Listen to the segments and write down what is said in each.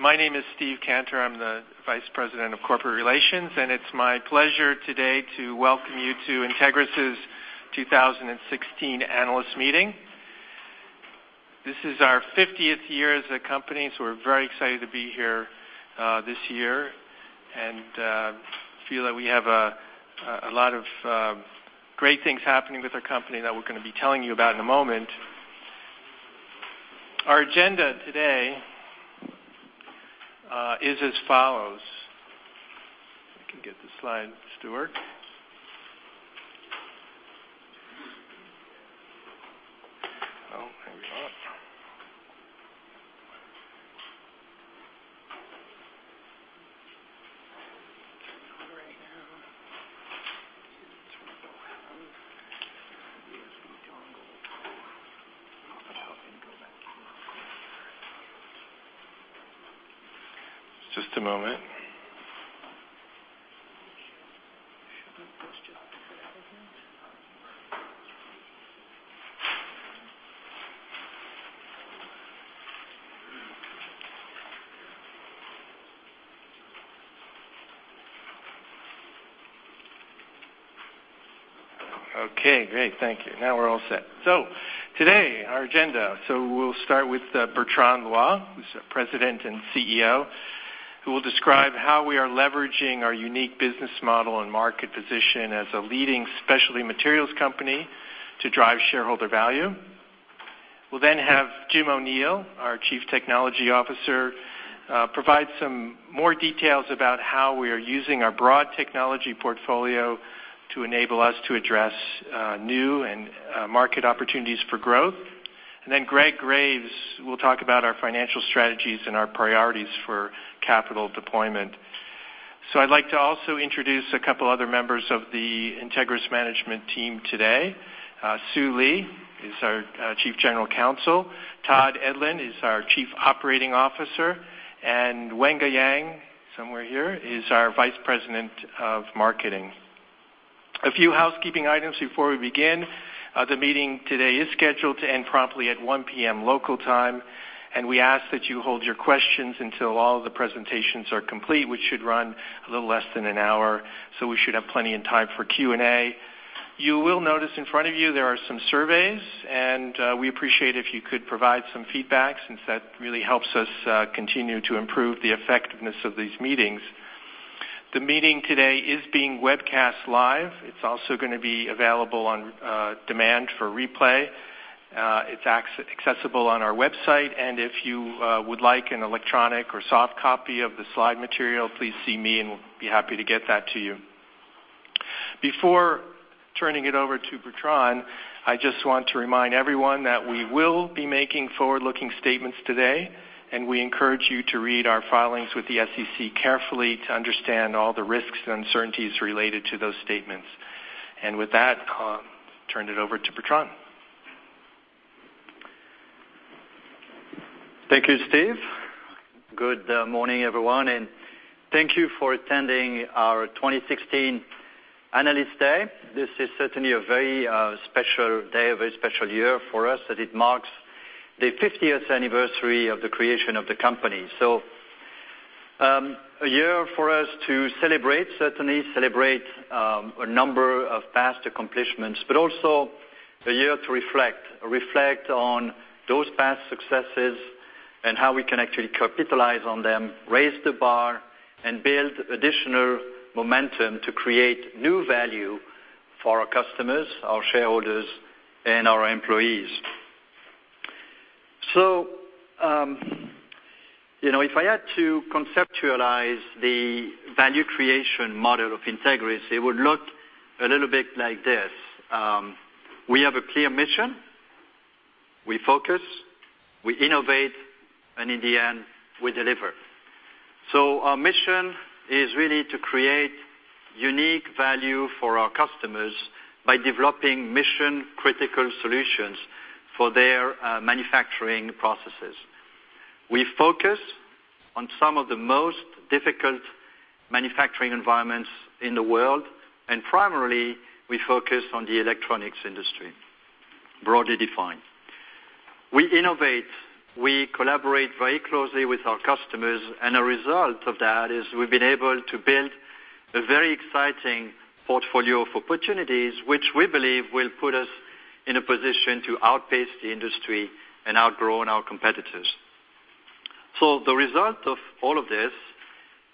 My name is Steve Cantor. I'm the Vice President of Corporate Relations, and it's my pleasure today to welcome you to Entegris's 2016 Analyst Meeting. This is our 50th year as a company, so we're very excited to be here this year, and feel that we have a lot of great things happening with our company that we're going to be telling you about in a moment. Our agenda today is as follows. If I can get the slide, Stuart. Oh, maybe not. Coming right now. It's going to go around. It's going to joggle. It'll probably go back. Just a moment. Shouldn't this just fit in here? Okay, great. Thank you. Now we're all set. Today, our agenda. We'll start with Bertrand Loy, who's our President and CEO, who will describe how we are leveraging our unique business model and market position as a leading specialty materials company to drive shareholder value. We'll then have James O'Neill, our Chief Technology Officer, provide some more details about how we are using our broad technology portfolio to enable us to address new and market opportunities for growth. Gregory Graves will talk about our financial strategies and our priorities for capital deployment. I'd like to also introduce a couple of other members of the Entegris management team today. Sue Lee is our Chief General Counsel, Todd Edlund is our Chief Operating Officer, and Wenge Yang, somewhere here, is our Vice President of Marketing. A few housekeeping items before we begin. The meeting today is scheduled to end promptly at 1:00 P.M. local time. We ask that you hold your questions until all of the presentations are complete, which should run a little less than an hour. We should have plenty of time for Q&A. You will notice in front of you there are some surveys. We'd appreciate if you could provide some feedback, since that really helps us continue to improve the effectiveness of these meetings. The meeting today is being webcast live. It's also going to be available on demand for replay. It's accessible on our website. If you would like an electronic or soft copy of the slide material, please see me. We'll be happy to get that to you. Before turning it over to Bertrand, I just want to remind everyone that we will be making forward-looking statements today. We encourage you to read our filings with the SEC carefully to understand all the risks and uncertainties related to those statements. With that, I'll turn it over to Bertrand. Thank you, Steve. Good morning, everyone. Thank you for attending our 2016 Analyst Day. This is certainly a very special day, a very special year for us, as it marks the 50th anniversary of the creation of the company. A year for us to celebrate, certainly celebrate a number of past accomplishments. Also a year to reflect. Reflect on those past successes and how we can actually capitalize on them, raise the bar, build additional momentum to create new value for our customers, our shareholders, and our employees. If I had to conceptualize the value creation model of Entegris, it would look a little bit like this. We have a clear mission, we focus, we innovate. In the end, we deliver. Our mission is really to create unique value for our customers by developing mission-critical solutions for their manufacturing processes. We focus on some of the most difficult manufacturing environments in the world. Primarily, we focus on the electronics industry, broadly defined. We innovate, we collaborate very closely with our customers. A result of that is we've been able to build a very exciting portfolio of opportunities, which we believe will put us in a position to outpace the industry and outgrow our competitors. The result of all of this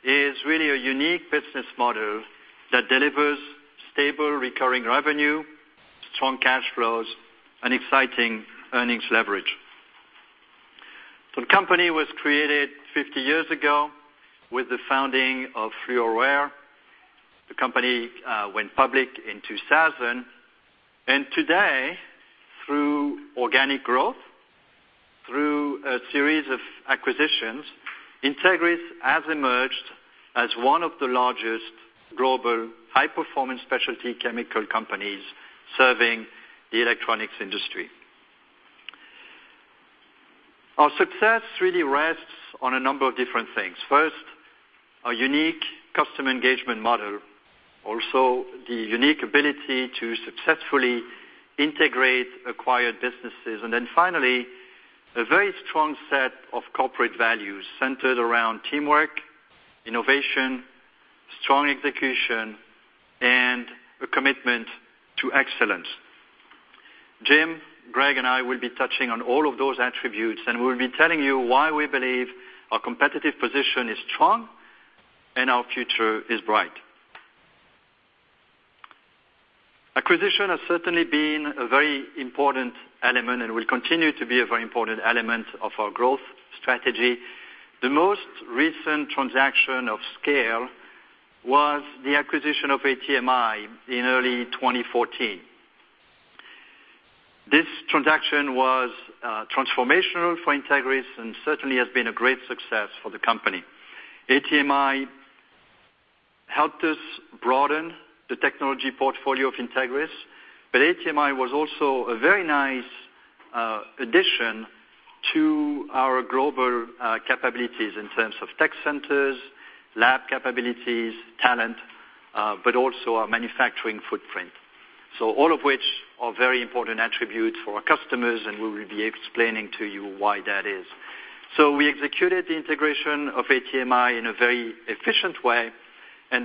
is really a unique business model that delivers stable, recurring revenue, strong cash flows, and exciting earnings leverage. The company was created 50 years ago with the founding of Fluoroware. The company went public in 2000, and today, through organic growth, through a series of acquisitions, Entegris has emerged as one of the largest global high-performance specialty chemical companies serving the electronics industry. Our success really rests on a number of different things. First. Our unique customer engagement model. Also, the unique ability to successfully integrate acquired businesses. Finally, a very strong set of corporate values centered around teamwork, innovation, strong execution, and a commitment to excellence. Jim, Greg, and I will be touching on all of those attributes. We will be telling you why we believe our competitive position is strong and our future is bright. Acquisition has certainly been a very important element and will continue to be a very important element of our growth strategy. The most recent transaction of scale was the acquisition of ATMI in early 2014. This transaction was transformational for Entegris and certainly has been a great success for the company. ATMI helped us broaden the technology portfolio of Entegris. ATMI was also a very nice addition to our global capabilities in terms of tech centers, lab capabilities, talent, but also our manufacturing footprint. All of which are very important attributes for our customers. We will be explaining to you why that is. We executed the integration of ATMI in a very efficient way.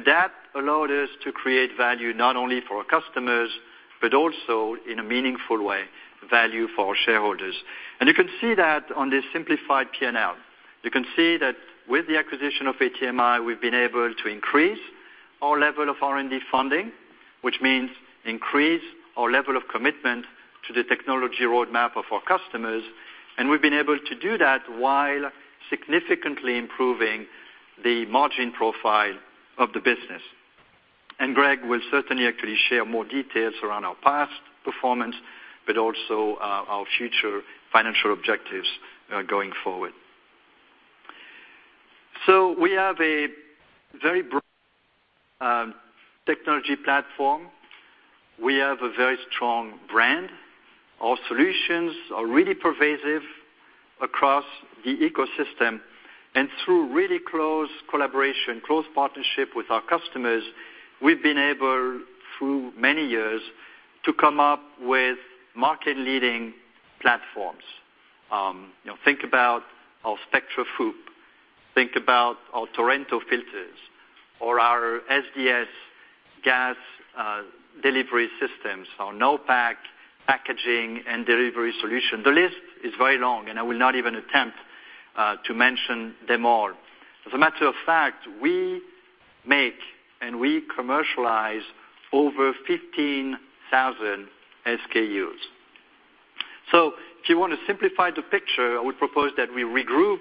That allowed us to create value not only for our customers, but also in a meaningful way, value for our shareholders. You can see that on this simplified P&L. You can see that with the acquisition of ATMI, we've been able to increase our level of R&D funding, which means increase our level of commitment to the technology roadmap of our customers. We've been able to do that while significantly improving the margin profile of the business. Greg will certainly actually share more details around our past performance, but also our future financial objectives going forward. We have a very broad technology platform. We have a very strong brand. Our solutions are really pervasive across the ecosystem. Through really close collaboration, close partnership with our customers, we've been able, through many years, to come up with market-leading platforms. Think about our Spectra FOUP. Think about our Torrento filters or our SDS gas delivery systems, our NOWPak packaging and delivery solution. The list is very long. I will not even attempt to mention them all. As a matter of fact, we make and we commercialize over 15,000 SKUs. If you want to simplify the picture, I would propose that we regroup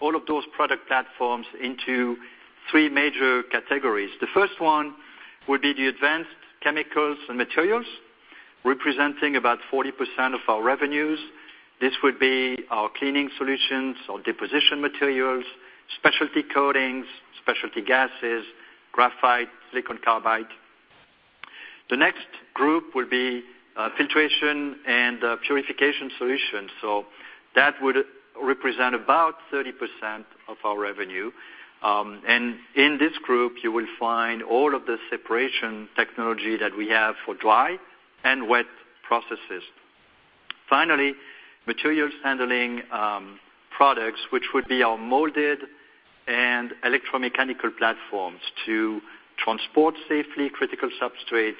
all of those product platforms into three major categories. The first one would be the advanced chemicals and materials, representing about 40% of our revenues. This would be our cleaning solutions, our deposition materials, specialty coatings, specialty gases, graphite, silicon carbide. The next group will be filtration and purification solutions. That would represent about 30% of our revenue. In this group, you will find all of the separation technology that we have for dry and wet processes. Finally, materials handling products, which would be our molded and electromechanical platforms to transport safely critical substrates,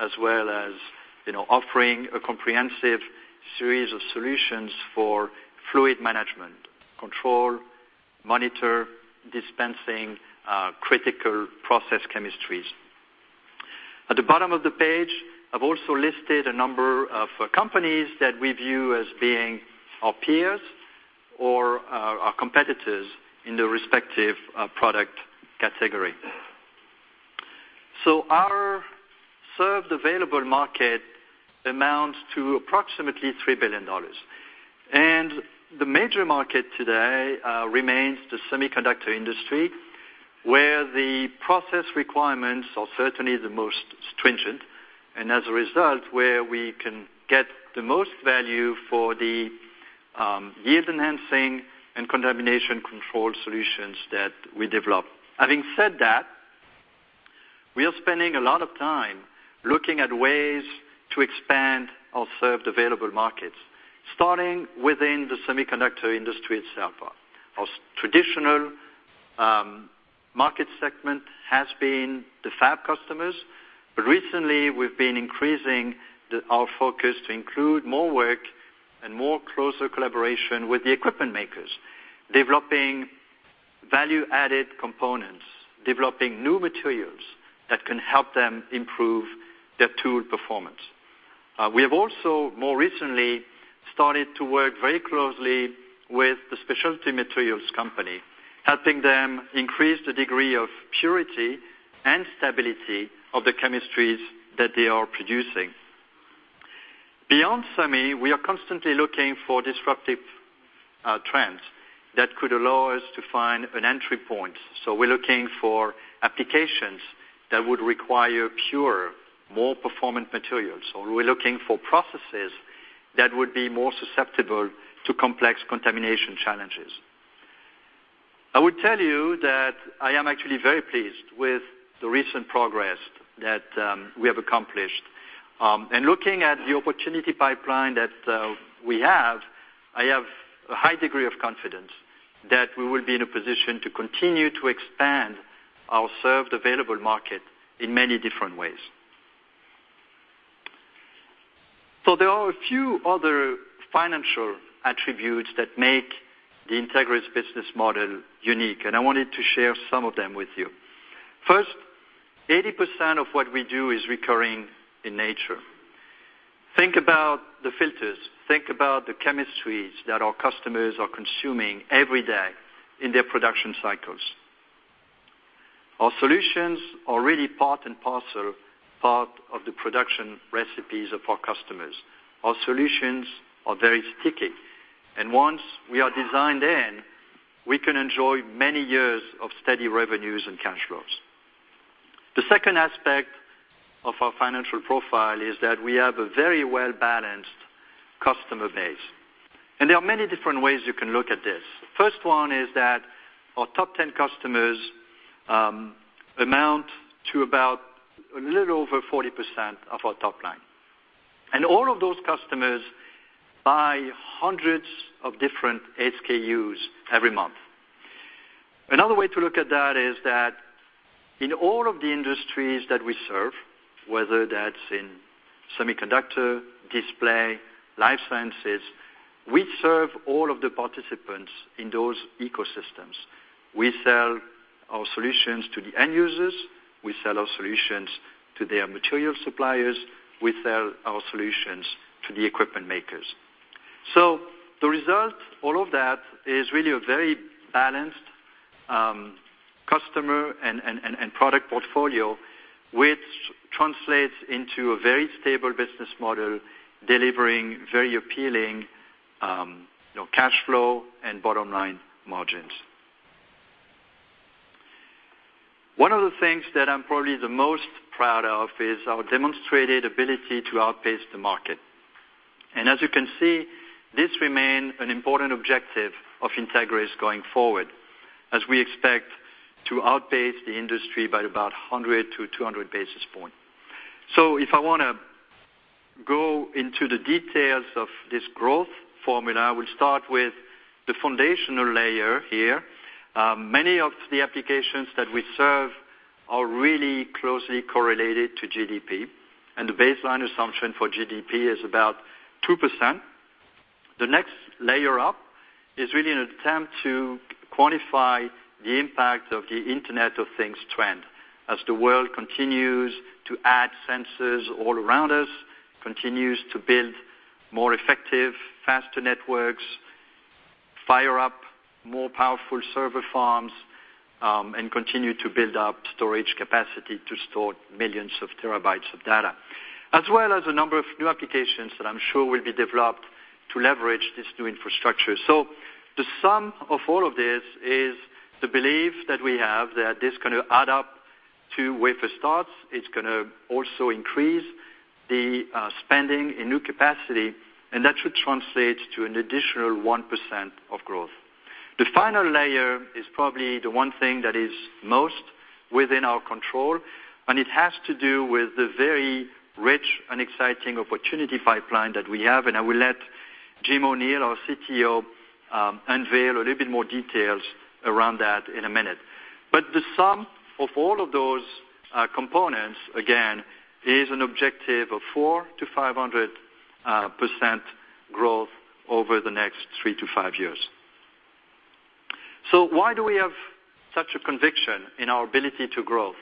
as well as offering a comprehensive series of solutions for fluid management, control, monitor, dispensing critical process chemistries. At the bottom of the page, I've also listed a number of companies that we view as being our peers or our competitors in the respective product category. Our served available market amounts to approximately $3 billion. The major market today remains the semiconductor industry, where the process requirements are certainly the most stringent, and as a result, where we can get the most value for the yield-enhancing and contamination control solutions that we develop. Having said that, we are spending a lot of time looking at ways to expand our served available markets, starting within the semiconductor industry itself. Our traditional market segment has been the fab customers. Recently, we've been increasing our focus to include more work and more closer collaboration with the equipment makers, developing value-added components, developing new materials that can help them improve their tool performance. We have also more recently started to work very closely with the specialty materials company, helping them increase the degree of purity and stability of the chemistries that they are producing. Beyond semi, we are constantly looking for disruptive trends that could allow us to find an entry point. We're looking for applications that would require purer, more performant materials, or we're looking for processes that would be more susceptible to complex contamination challenges. I would tell you that I am actually very pleased with the recent progress that we have accomplished. Looking at the opportunity pipeline that we have, I have a high degree of confidence that we will be in a position to continue to expand our served available market in many different ways. There are a few other financial attributes that make the Entegris business model unique, and I wanted to share some of them with you. First, 80% of what we do is recurring in nature. Think about the filters, think about the chemistries that our customers are consuming every day in their production cycles. Our solutions are really part and parcel, part of the production recipes of our customers. Our solutions are very sticky. Once we are designed in, we can enjoy many years of steady revenues and cash flows. The second aspect of our financial profile is that we have a very well-balanced customer base. There are many different ways you can look at this. First one is that our top 10 customers amount to about a little over 40% of our top line. All of those customers buy hundreds of different SKUs every month. Another way to look at that is that in all of the industries that we serve, whether that's in semiconductor, display, life sciences, we serve all of the participants in those ecosystems. We sell our solutions to the end users, we sell our solutions to their material suppliers, we sell our solutions to the equipment makers. The result, all of that, is really a very balanced customer and product portfolio, which translates into a very stable business model, delivering very appealing cash flow and bottom-line margins. One of the things that I'm probably the most proud of is our demonstrated ability to outpace the market. As you can see, this remain an important objective of Entegris going forward, as we expect to outpace the industry by about 100 to 200 basis points. If I want to go into the details of this growth formula, we'll start with the foundational layer here. Many of the applications that we serve are really closely correlated to GDP, and the baseline assumption for GDP is about 2%. The next layer up is really an attempt to quantify the impact of the Internet of Things trend as the world continues to add sensors all around us, continues to build more effective, faster networks, fire up more powerful server farms, and continue to build up storage capacity to store millions of terabytes of data. As well as a number of new applications that I'm sure will be developed to leverage this new infrastructure. The sum of all of this is the belief that we have that this is going to add up to wafer starts. It's going to also increase the spending in new capacity, and that should translate to an additional 1% of growth. The final layer is probably the one thing that is most within our control, and it has to do with the very rich and exciting opportunity pipeline that we have. I will let Jim O'Neill, our CTO, unveil a little bit more details around that in a minute. The sum of all of those components, again, is an objective of 400%-500% growth over the next three to five years. Why do we have such a conviction in our ability to grow?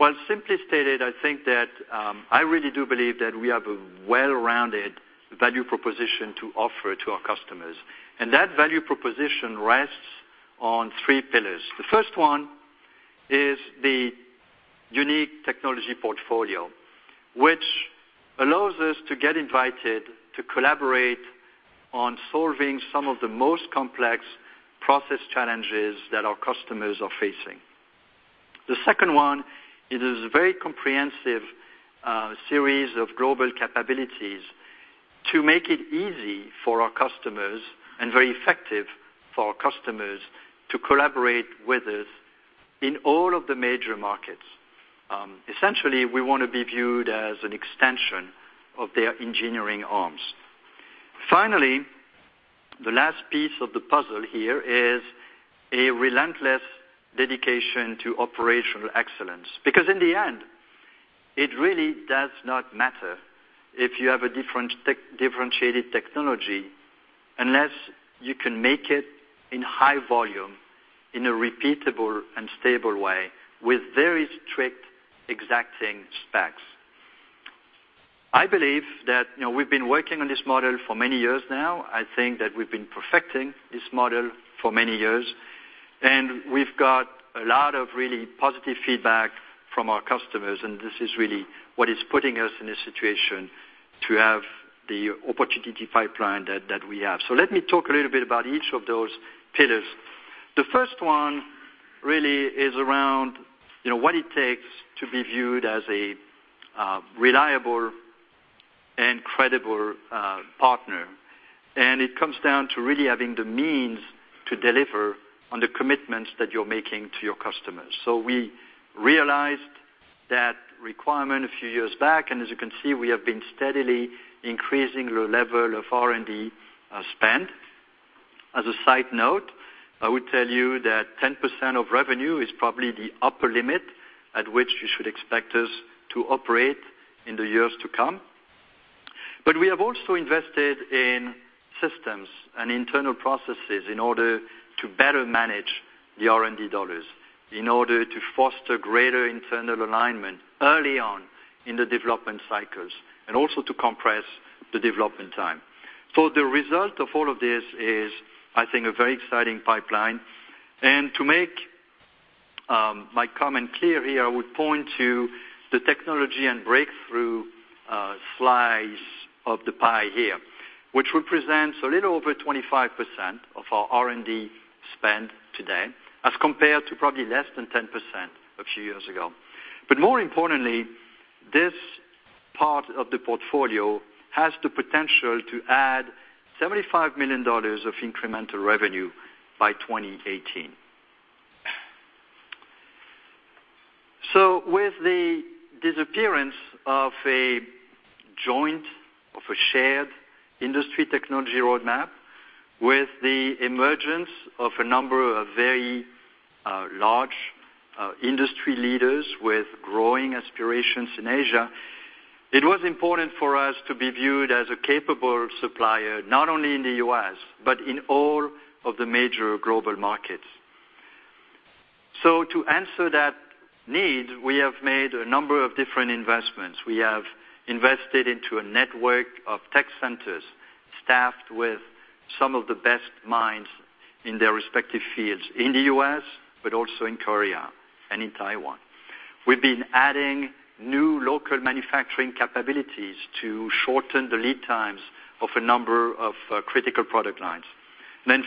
Well, simply stated, I think that I really do believe that we have a well-rounded value proposition to offer to our customers, and that value proposition rests on three pillars. The first one is the unique technology portfolio, which allows us to get invited to collaborate on solving some of the most complex process challenges that our customers are facing. The second one is a very comprehensive series of global capabilities to make it easy for our customers and very effective for our customers to collaborate with us in all of the major markets. Essentially, we want to be viewed as an extension of their engineering arms. Finally, the last piece of the puzzle here is a relentless dedication to operational excellence. In the end, it really does not matter if you have a differentiated technology unless you can make it in high volume in a repeatable and stable way with very strict, exacting specs. I believe that we've been working on this model for many years now. I think that we've been perfecting this model for many years, and we've got a lot of really positive feedback from our customers, and this is really what is putting us in a situation to have the opportunity pipeline that we have. Let me talk a little bit about each of those pillars. The first one really is around what it takes to be viewed as a reliable and credible partner. It comes down to really having the means to deliver on the commitments that you're making to your customers. We realized that requirement a few years back, as you can see, we have been steadily increasing the level of R&D spend. As a side note, I would tell you that 10% of revenue is probably the upper limit at which you should expect us to operate in the years to come. We have also invested in systems and internal processes in order to better manage the R&D dollars, in order to foster greater internal alignment early on in the development cycles, also to compress the development time. The result of all of this is, I think, a very exciting pipeline. To make my comment clear here, I would point to the technology and breakthrough slides of the pie here, which represents a little over 25% of our R&D spend today as compared to probably less than 10% a few years ago. More importantly, this part of the portfolio has the potential to add $75 million of incremental revenue by 2018. With the disappearance of a joint, of a shared industry technology roadmap, with the emergence of a number of very large industry leaders with growing aspirations in Asia, it was important for us to be viewed as a capable supplier, not only in the U.S., but in all of the major global markets. To answer that need, we have made a number of different investments. We have invested into a network of tech centers staffed with some of the best minds in their respective fields in the U.S., but also in Korea and in Taiwan. We've been adding new local manufacturing capabilities to shorten the lead times of a number of critical product lines.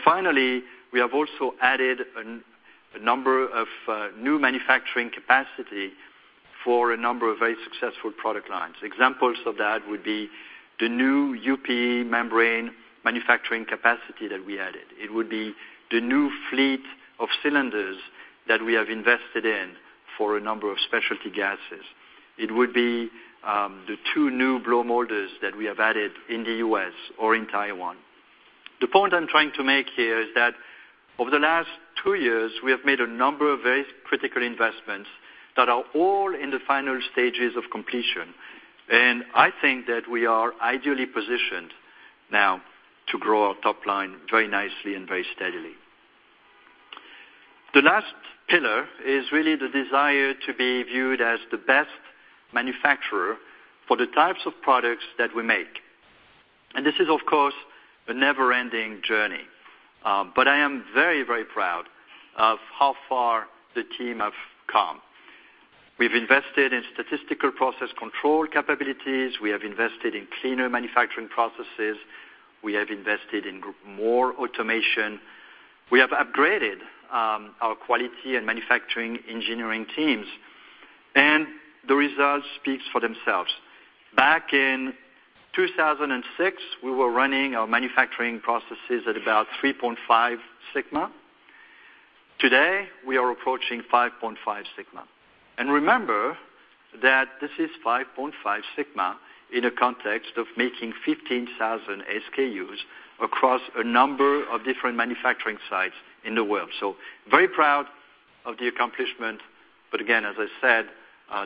Finally, we have also added a number of new manufacturing capacity for a number of very successful product lines. Examples of that would be the new UPE membrane manufacturing capacity that we added. It would be the new fleet of cylinders that we have invested in for a number of specialty gases. It would be the two new blow molders that we have added in the U.S. or in Taiwan. The point I'm trying to make here is that over the last two years, we have made a number of very critical investments that are all in the final stages of completion. I think that we are ideally positioned now to grow our top line very nicely and very steadily. The last pillar is really the desire to be viewed as the best manufacturer for the types of products that we make. This is, of course, a never-ending journey. I am very proud of how far the team have come. We've invested in statistical process control capabilities. We have invested in cleaner manufacturing processes. We have invested in more automation. We have upgraded our quality and manufacturing engineering teams, and the results speak for themselves. Back in 2006, we were running our manufacturing processes at about 3.5 sigma. Today, we are approaching 5.5 sigma. Remember that this is 5.5 sigma in a context of making 15,000 SKUs across a number of different manufacturing sites in the world. Very proud of the accomplishment. Again, as I said,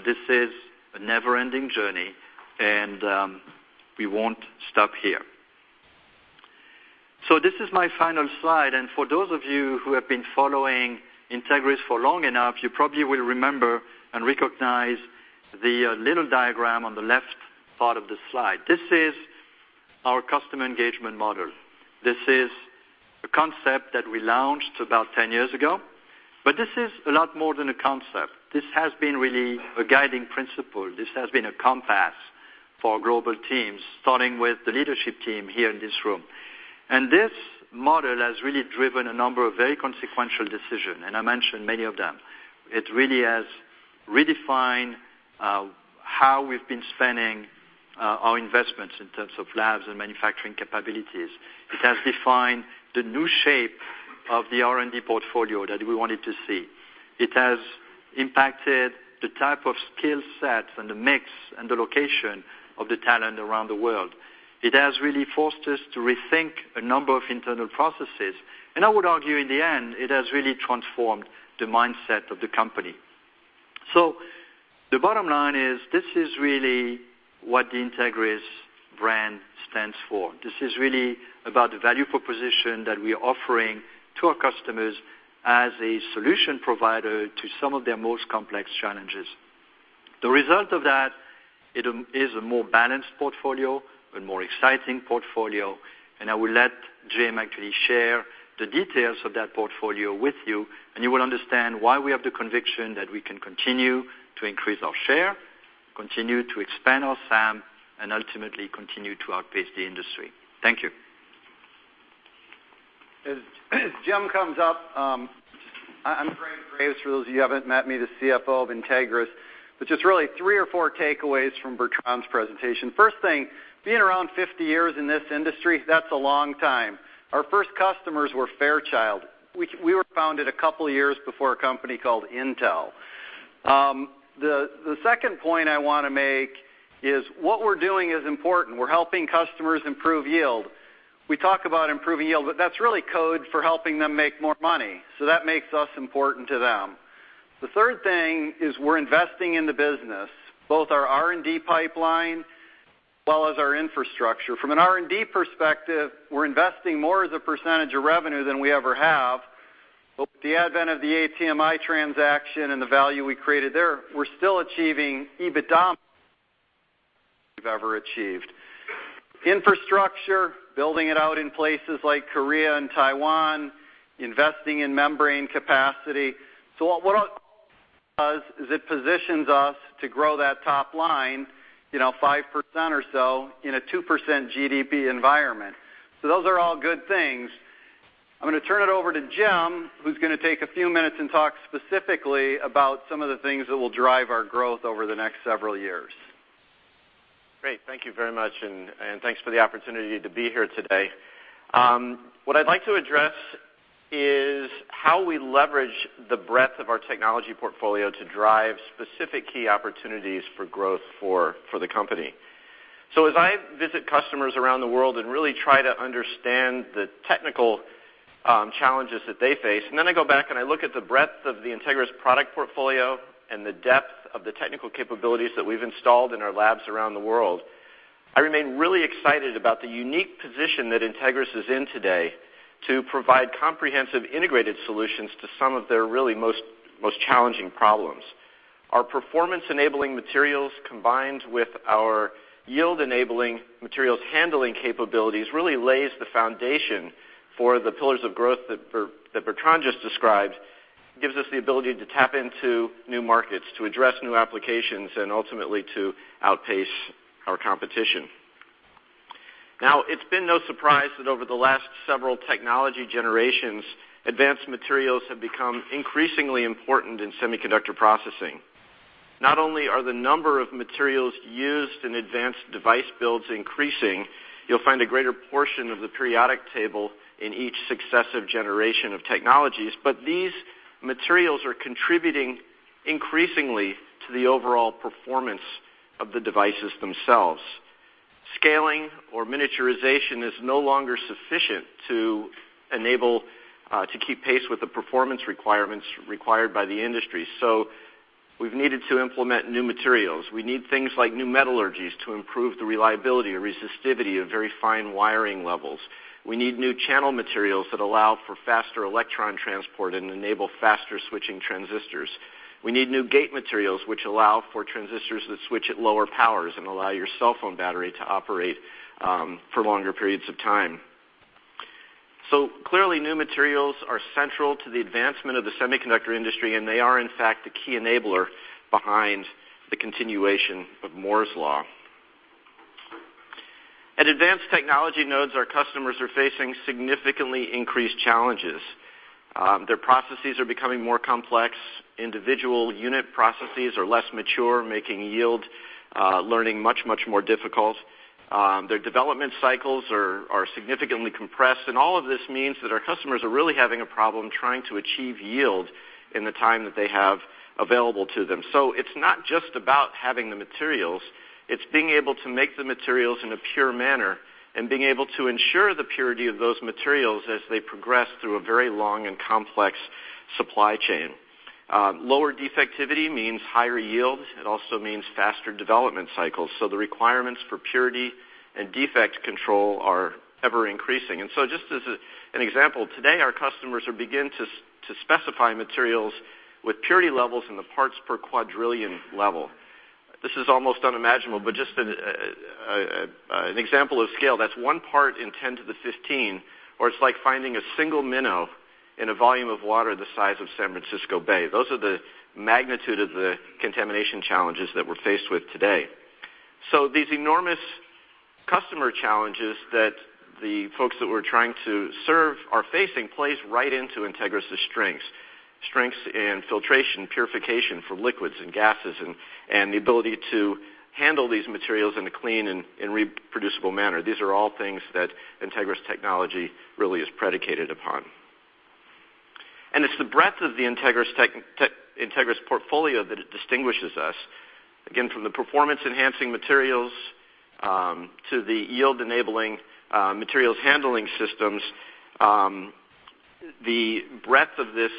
this is a never-ending journey, and we won't stop here. This is my final slide. For those of you who have been following Entegris for long enough, you probably will remember and recognize the little diagram on the left part of the slide. This is our customer engagement model. This is a concept that we launched about 10 years ago. This is a lot more than a concept. This has been really a guiding principle. This has been a compass for our global teams, starting with the leadership team here in this room. This model has really driven a number of very consequential decisions, and I mentioned many of them. It really has redefined how we've been spending our investments in terms of labs and manufacturing capabilities. It has defined the new shape of the R&D portfolio that we wanted to see. It has impacted the type of skill sets and the mix and the location of the talent around the world. It has really forced us to rethink a number of internal processes. I would argue, in the end, it has really transformed the mindset of the company. The bottom line is this is really what the Entegris brand stands for. This is really about the value proposition that we are offering to our customers as a solution provider to some of their most complex challenges. The result of that, it is a more balanced portfolio, a more exciting portfolio. I will let Jim actually share the details of that portfolio with you, and you will understand why we have the conviction that we can continue to increase our share, continue to expand our SAM, and ultimately continue to outpace the industry. Thank you. As Jim comes up, I'm Greg Graves. For those of you who haven't met me, the CFO of Entegris. Just really three or four takeaways from Bertrand's presentation. First thing, being around 50 years in this industry, that's a long time. Our first customers were Fairchild. We were founded a couple of years before a company called Intel. The second point I want to make is what we're doing is important. We're helping customers improve yield. We talk about improving yield, but that's really code for helping them make more money. That makes us important to them. The third thing is we're investing in the business, both our R&D pipeline as well as our infrastructure. From an R&D perspective, we're investing more as a percentage of revenue than we ever have. With the advent of the ATMI transaction and the value we created there, we're still achieving EBITDA we've ever achieved. Infrastructure, building it out in places like Korea and Taiwan, investing in membrane capacity. What it does is it positions us to grow that top line 5% or so in a 2% GDP environment. Those are all good things. I'm going to turn it over to Jim, who's going to take a few minutes and talk specifically about some of the things that will drive our growth over the next several years. Great. Thank you very much, and thanks for the opportunity to be here today. What I'd like to address is how we leverage the breadth of our technology portfolio to drive specific key opportunities for growth for the company. As I visit customers around the world and really try to understand the technical challenges that they face, and then I go back and I look at the breadth of the Entegris product portfolio and the depth of the technical capabilities that we've installed in our labs around the world, I remain really excited about the unique position that Entegris is in today to provide comprehensive integrated solutions to some of their really most challenging problems. Our performance-enabling materials, combined with our yield-enabling materials handling capabilities, really lays the foundation for the pillars of growth that Bertrand just described. It gives us the ability to tap into new markets, to address new applications, and ultimately to outpace our competition. It's been no surprise that over the last several technology generations, advanced materials have become increasingly important in semiconductor processing. Not only are the number of materials used in advanced device builds increasing, you'll find a greater portion of the periodic table in each successive generation of technologies, but these materials are contributing increasingly to the overall performance of the devices themselves. Scaling or miniaturization is no longer sufficient to keep pace with the performance requirements required by the industry. We've needed to implement new materials. We need things like new metallurgies to improve the reliability or resistivity of very fine wiring levels. We need new channel materials that allow for faster electron transport and enable faster switching transistors. We need new gate materials which allow for transistors that switch at lower powers and allow your cell phone battery to operate for longer periods of time. Clearly, new materials are central to the advancement of the semiconductor industry, and they are, in fact, the key enabler behind the continuation of Moore's Law. At advanced technology nodes, our customers are facing significantly increased challenges. Their processes are becoming more complex. Individual unit processes are less mature, making yield learning much more difficult. Their development cycles are significantly compressed, and all of this means that our customers are really having a problem trying to achieve yield in the time that they have available to them. It's not just about having the materials, it's being able to make the materials in a pure manner and being able to ensure the purity of those materials as they progress through a very long and complex supply chain. Lower defectivity means higher yield. It also means faster development cycles. The requirements for purity and defect control are ever-increasing. Just as an example, today, our customers are beginning to specify materials with purity levels in the parts per quadrillion level. This is almost unimaginable, but just an example of scale, that's one part in 10 to the 15, or it's like finding a single minnow in a volume of water the size of San Francisco Bay. Those are the magnitude of the contamination challenges that we're faced with today. These enormous customer challenges that the folks that we're trying to serve are facing plays right into Entegris' strengths. Strengths in filtration, purification for liquids and gases, and the ability to handle these materials in a clean and reproducible manner. These are all things that Entegris technology really is predicated upon. It's the breadth of the Entegris portfolio that distinguishes us, again, from the performance-enhancing materials to the yield-enabling materials handling systems. The breadth of this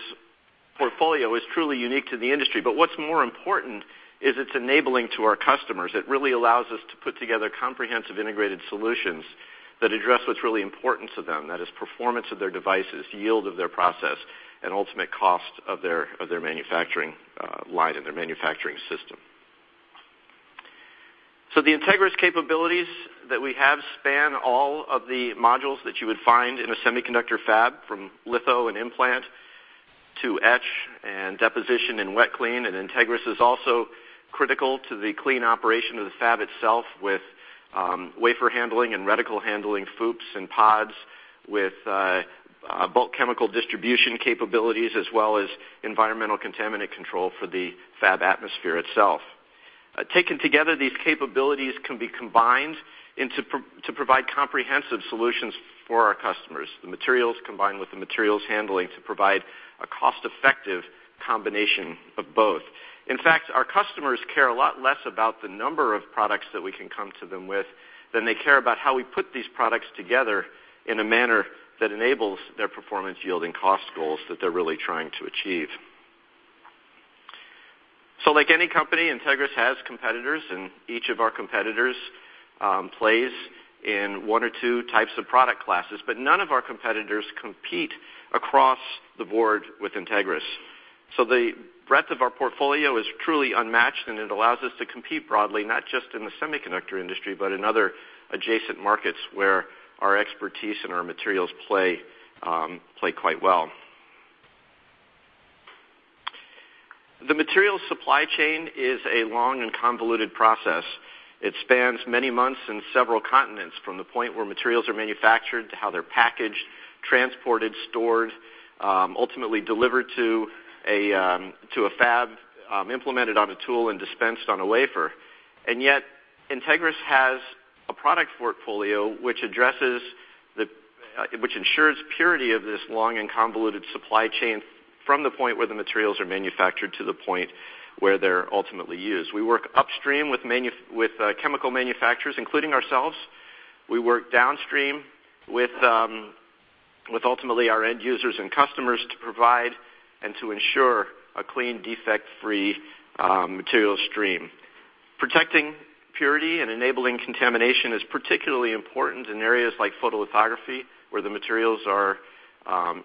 portfolio is truly unique to the industry. What's more important is it's enabling to our customers. It really allows us to put together comprehensive integrated solutions that address what's really important to them, that is performance of their devices, yield of their process, and ultimate cost of their manufacturing line and their manufacturing system. The Entegris capabilities that we have span all of the modules that you would find in a semiconductor fab, from litho and implant to etch and deposition and wet clean. Entegris is also critical to the clean operation of the fab itself with wafer handling and reticle handling, FOUPs and pods with bulk chemical distribution capabilities, as well as environmental contaminant control for the fab atmosphere itself. Taken together, these capabilities can be combined to provide comprehensive solutions for our customers. The materials combined with the materials handling to provide a cost-effective combination of both. In fact, our customers care a lot less about the number of products that we can come to them with than they care about how we put these products together in a manner that enables their performance yield and cost goals that they're really trying to achieve. Like any company, Entegris has competitors, and each of our competitors plays in one or two types of product classes, but none of our competitors compete across the board with Entegris. The breadth of our portfolio is truly unmatched, and it allows us to compete broadly, not just in the semiconductor industry, but in other adjacent markets where our expertise and our materials play quite well. The material supply chain is a long and convoluted process. It spans many months and several continents from the point where materials are manufactured to how they're packaged, transported, stored, ultimately delivered to a fab, implemented on a tool, and dispensed on a wafer. Yet, Entegris has a product portfolio which ensures purity of this long and convoluted supply chain from the point where the materials are manufactured to the point where they're ultimately used. We work upstream with chemical manufacturers, including ourselves. We work downstream with ultimately our end users and customers to provide and to ensure a clean, defect-free material stream. Protecting purity and enabling contamination is particularly important in areas like photolithography, where the materials are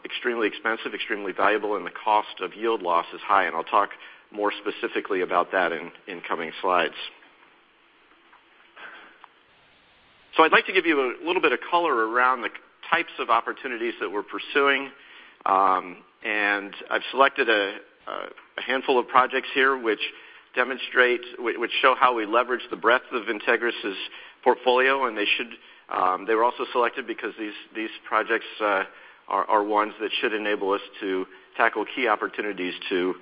extremely expensive, extremely valuable, and the cost of yield loss is high. I'll talk more specifically about that in coming slides. I'd like to give you a little bit of color around the types of opportunities that we're pursuing. I've selected a handful of projects here which show how we leverage the breadth of Entegris' portfolio, and they were also selected because these projects are ones that should enable us to tackle key opportunities to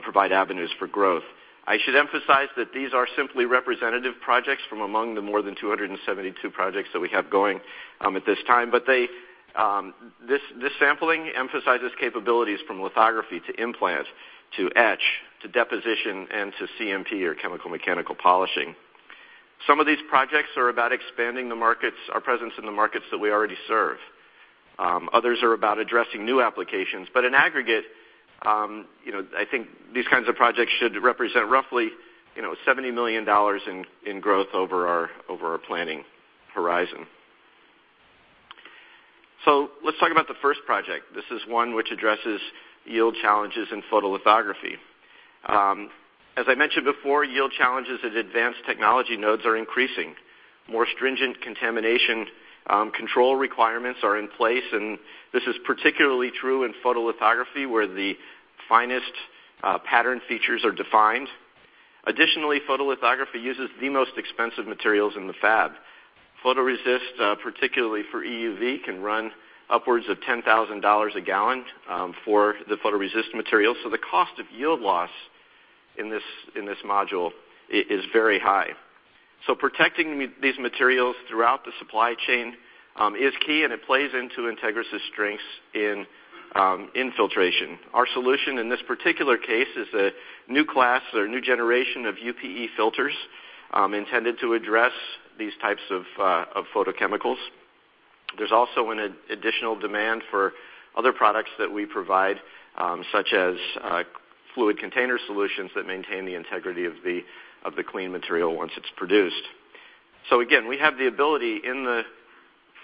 provide avenues for growth. I should emphasize that these are simply representative projects from among the more than 272 projects that we have going at this time. This sampling emphasizes capabilities from lithography to implant, to etch, to deposition, and to CMP or chemical mechanical polishing. Some of these projects are about expanding our presence in the markets that we already serve. Others are about addressing new applications. In aggregate, I think these kinds of projects should represent roughly $70 million in growth over our planning horizon. Let's talk about the first project. This is one which addresses yield challenges in photolithography. As I mentioned before, yield challenges at advanced technology nodes are increasing. More stringent contamination control requirements are in place, and this is particularly true in photolithography, where the finest pattern features are defined. Additionally, photolithography uses the most expensive materials in the fab. Photoresist, particularly for EUV, can run upwards of $10,000 a gallon for the photoresist material. The cost of yield loss in this module is very high. Protecting these materials throughout the supply chain is key, and it plays into Entegris' strengths in filtration. Our solution in this particular case is a new class or new generation of UPE filters intended to address these types of photochemicals. There's also an additional demand for other products that we provide, such as fluid container solutions that maintain the integrity of the clean material once it's produced. Again, we have the ability in the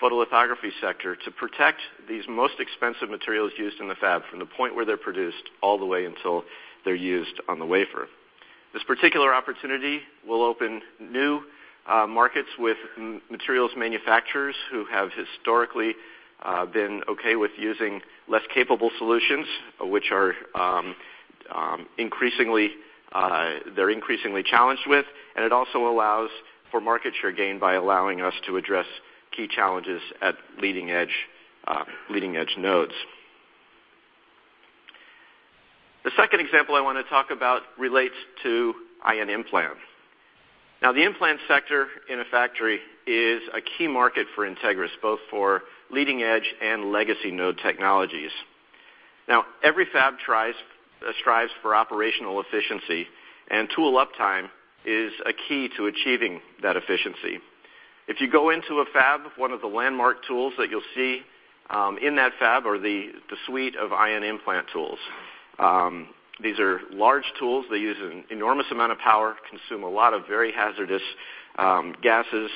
photolithography sector to protect these most expensive materials used in the fab from the point where they're produced all the way until they're used on the wafer. This particular opportunity will open new markets with materials manufacturers who have historically been okay with using less capable solutions, which they're increasingly challenged with. It also allows for market share gain by allowing us to address key challenges at leading-edge nodes. The second example I want to talk about relates to ion implant. The implant sector in a factory is a key market for Entegris, both for leading-edge and legacy node technologies. Every fab strives for operational efficiency, and tool uptime is a key to achieving that efficiency. If you go into a fab, one of the landmark tools that you'll see in that fab are the suite of ion implant tools. These are large tools. They use an enormous amount of power, consume a lot of very hazardous gases.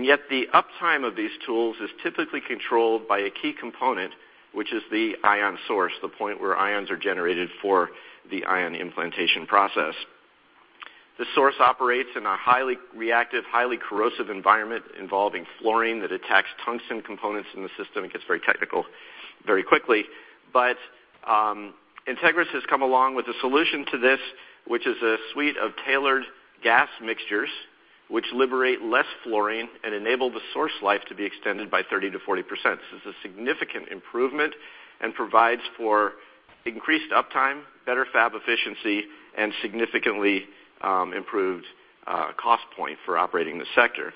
Yet the uptime of these tools is typically controlled by a key component, which is the ion source, the point where ions are generated for the ion implantation process. The source operates in a highly reactive, highly corrosive environment involving fluorine that attacks tungsten components in the system. It gets very technical very quickly. Entegris has come along with a solution to this, which is a suite of tailored gas mixtures which liberate less fluorine and enable the source life to be extended by 30%-40%. This is a significant improvement and provides for increased uptime, better fab efficiency, and significantly improved cost point for operating the sector.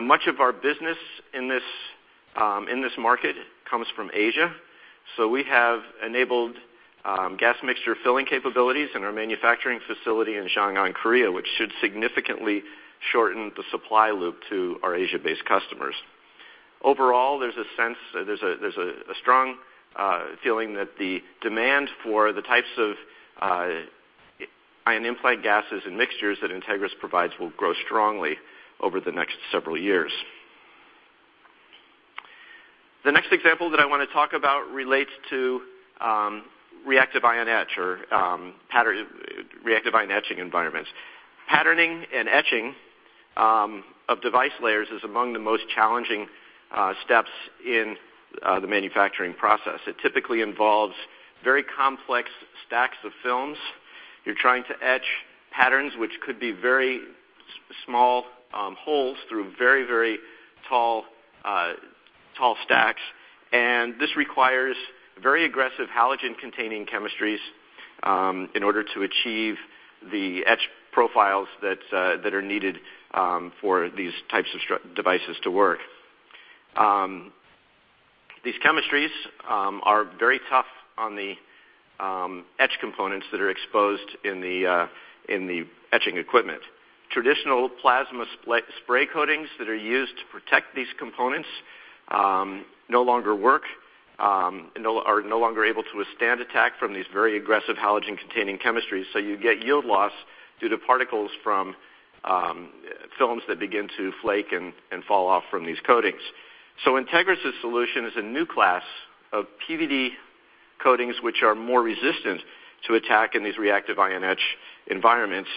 Much of our business in this market comes from Asia. We have enabled gas mixture filling capabilities in our manufacturing facility in Seongnam, Korea, which should significantly shorten the supply loop to our Asia-based customers. Overall, there's a strong feeling that the demand for the types of ion implant gases and mixtures that Entegris provides will grow strongly over the next several years. The next example that I want to talk about relates to reactive ion etch or reactive ion etching environments. Patterning and etching of device layers is among the most challenging steps in the manufacturing process. It typically involves very complex stacks of films. You're trying to etch patterns, which could be very small holes through very tall stacks. This requires very aggressive halogen-containing chemistries in order to achieve the etch profiles that are needed for these types of devices to work. These chemistries are very tough on the etch components that are exposed in the etching equipment. Traditional plasma spray coatings that are used to protect these components no longer work, are no longer able to withstand attack from these very aggressive halogen-containing chemistries. You get yield loss due to particles from films that begin to flake and fall off from these coatings. Entegris' solution is a new class of PVD coatings, which are more resistant to attack in these reactive ion etch environments.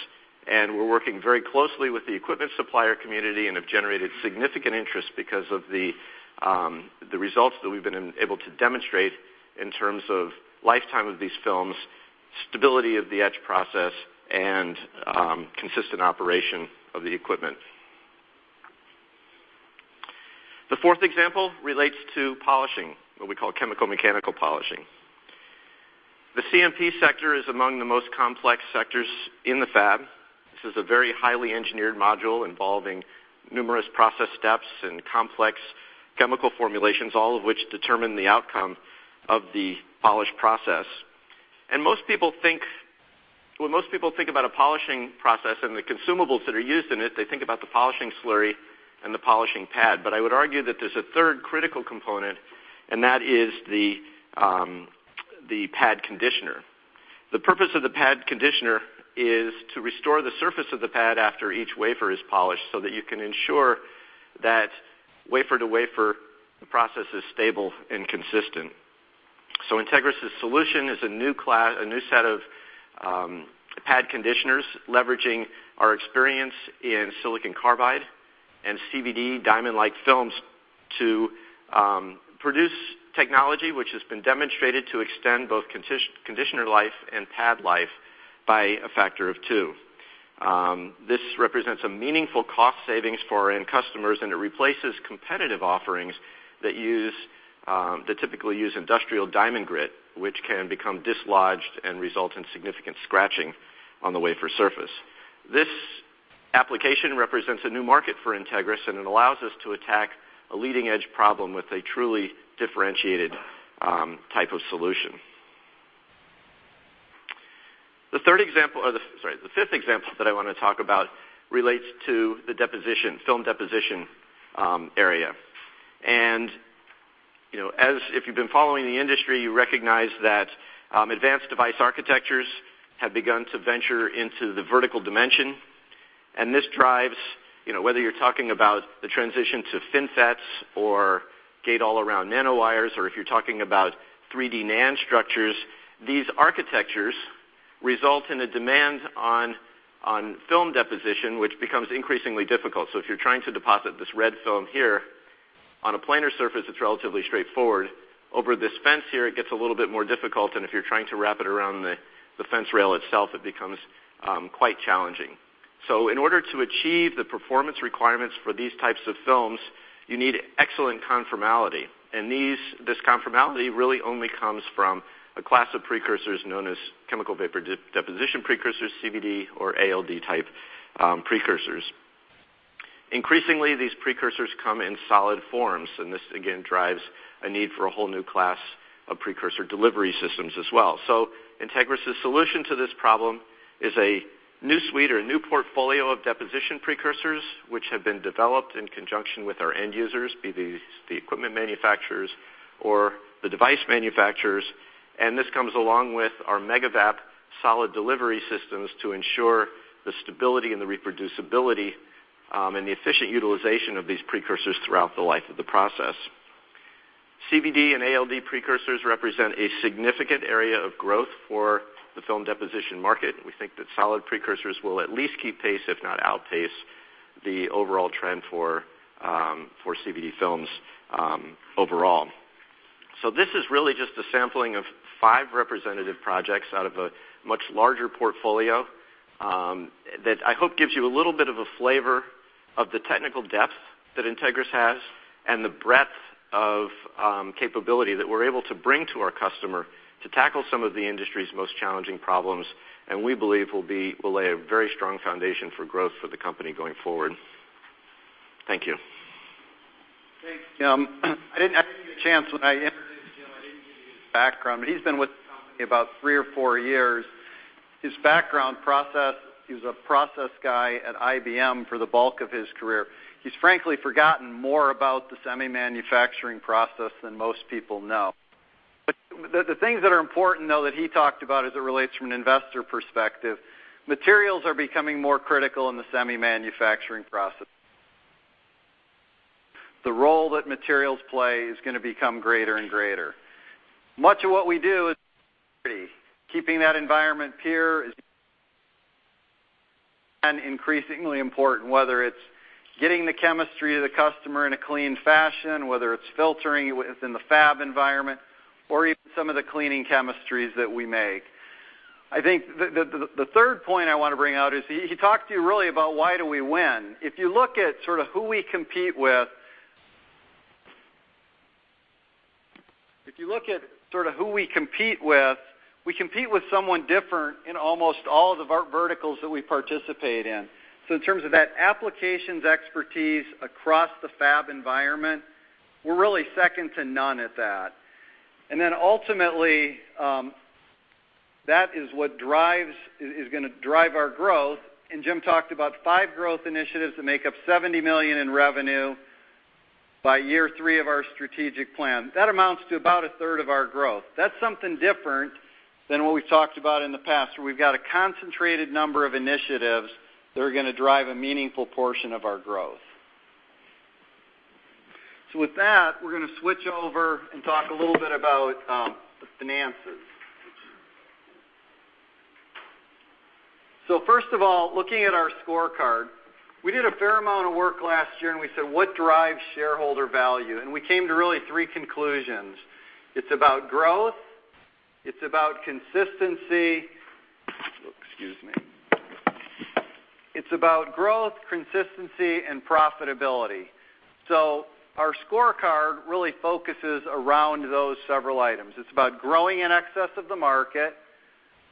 We're working very closely with the equipment supplier community and have generated significant interest because of the results that we've been able to demonstrate in terms of lifetime of these films, stability of the etch process, and consistent operation of the equipment. The fourth example relates to polishing or we call chemical mechanical polishing. The CMP sector is among the most complex sectors in the fab. This is a very highly engineered module involving numerous process steps and complex chemical formulations, all of which determine the outcome of the polish process. When most people think about a polishing process and the consumables that are used in it, they think about the polishing slurry and the polishing pad. I would argue that there's a third critical component, and that is the pad conditioner. The purpose of the pad conditioner is to restore the surface of the pad after each wafer is polished so that you can ensure that wafer to wafer, the process is stable and consistent. Entegris' solution is a new set of pad conditioners leveraging our experience in silicon carbide and CVD diamond-like films to produce technology which has been demonstrated to extend both conditioner life and pad life by a factor of two. This represents a meaningful cost savings for end customers, and it replaces competitive offerings that typically use industrial diamond grit, which can become dislodged and result in significant scratching on the wafer surface. This application represents a new market for Entegris, and it allows us to attack a leading-edge problem with a truly differentiated type of solution. The fifth example that I want to talk about relates to the deposition, film deposition area. If you've been following the industry, you recognize that advanced device architectures have begun to venture into the vertical dimension. This drives, whether you're talking about the transition to FinFETs or gate-all-around nanowires or if you're talking about 3D NAND structures, these architectures result in a demand on film deposition, which becomes increasingly difficult. If you're trying to deposit this red film here on a planar surface, it's relatively straightforward. Over this fence here, it gets a little bit more difficult, and if you're trying to wrap it around the fence rail itself, it becomes quite challenging. In order to achieve the performance requirements for these types of films, you need excellent conformality. This conformality really only comes from a class of precursors known as chemical vapor deposition precursors, CVD or ALD type precursors. Increasingly, these precursors come in solid forms. This again drives a need for a whole new class of precursor delivery systems as well. Entegris' solution to this problem is a new suite or a new portfolio of deposition precursors, which have been developed in conjunction with our end users, be these the equipment manufacturers or the device manufacturers, and this comes along with our MegaVAP Solid delivery systems to ensure the stability and the reproducibility, and the efficient utilization of these precursors throughout the life of the process. CVD and ALD precursors represent a significant area of growth for the film deposition market. We think that solid precursors will at least keep pace, if not outpace, the overall trend for CVD films overall. This is really just a sampling of five representative projects out of a much larger portfolio, that I hope gives you a little bit of a flavor of the technical depth that Entegris has and the breadth of capability that we're able to bring to our customer to tackle some of the industry's most challenging problems and we believe will lay a very strong foundation for growth for the company going forward. Thank you. Thanks, Jim. I didn't get a chance when I introduced Jim, I didn't get to his background, but he's been with the company about three or four years. His background process, he was a process guy at IBM for the bulk of his career. He's frankly forgotten more about the semi-manufacturing process than most people know. The things that are important, though, that he talked about as it relates from an investor perspective, materials are becoming more critical in the semi-manufacturing process. The role that materials play is going to become greater and greater. Much of what we do is keeping that environment pure is increasingly important, whether it's getting the chemistry to the customer in a clean fashion, whether it's filtering within the fab environment or even some of the cleaning chemistries that we make. I think the third point I want to bring out is, he talked to you really about why do we win. If you look at sort of who we compete with, we compete with someone different in almost all of our verticals that we participate in. In terms of that applications expertise across the fab environment, we're really second to none at that. Ultimately, that is what is going to drive our growth. Jim talked about five growth initiatives that make up $70 million in revenue by year three of our strategic plan. That amounts to about a third of our growth. That's something different than what we've talked about in the past, where we've got a concentrated number of initiatives that are going to drive a meaningful portion of our growth. With that, we're going to switch over and talk a little bit about the finances. First of all, looking at our scorecard, we did a fair amount of work last year, and we said, "What drives shareholder value?" We came to really three conclusions. It's about growth, it's about consistency, excuse me. It's about growth, consistency and profitability. Our scorecard really focuses around those several items. It's about growing in excess of the market,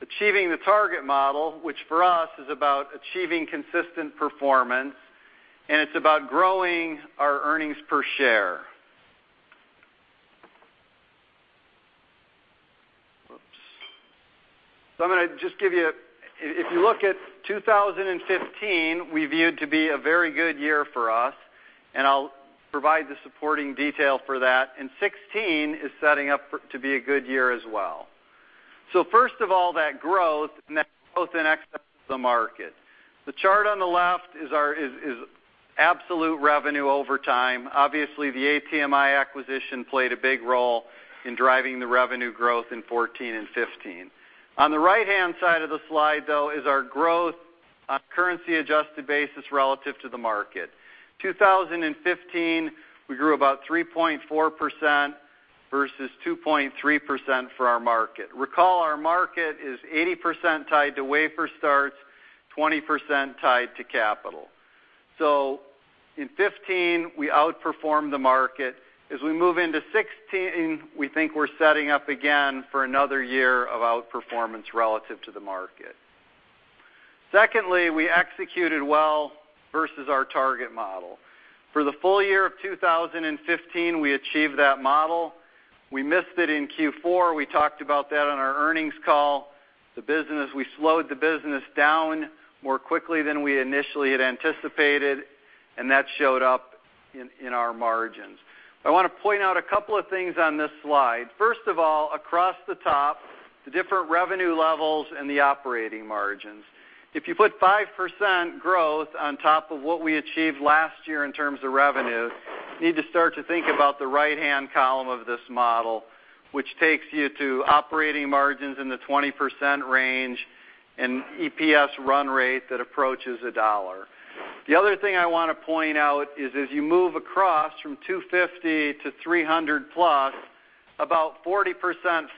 achieving the target model, which for us is about achieving consistent performance, and it's about growing our earnings per share. Oops. I'm going to just give you If you look at 2015, we viewed to be a very good year for us, and I'll provide the supporting detail for that, and 2016 is setting up to be a good year as well. First of all, that growth, that growth in excess of the market. The chart on the left is absolute revenue over time. Obviously, the ATMI acquisition played a big role in driving the revenue growth in 2014 and 2015. On the right-hand side of the slide, though, is our growth on a currency-adjusted basis relative to the market. 2015, we grew about 3.4% versus 2.3% for our market. Recall, our market is 80% tied to wafer starts, 20% tied to capital. In 2015, we outperformed the market. We move into 2016, we think we're setting up again for another year of outperformance relative to the market. Secondly, we executed well versus our target model. For the full year of 2015, we achieved that model. We missed it in Q4. We talked about that on our earnings call. We slowed the business down more quickly than we initially had anticipated, that showed up in our margins. I want to point out a couple of things on this slide. First of all, across the top, the different revenue levels and the operating margins. If you put 5% growth on top of what we achieved last year in terms of revenue, you need to start to think about the right-hand column of this model, which takes you to operating margins in the 20% range and EPS run rate that approaches $1. The other thing I want to point out is, you move across from 250 to 300 plus, about 40%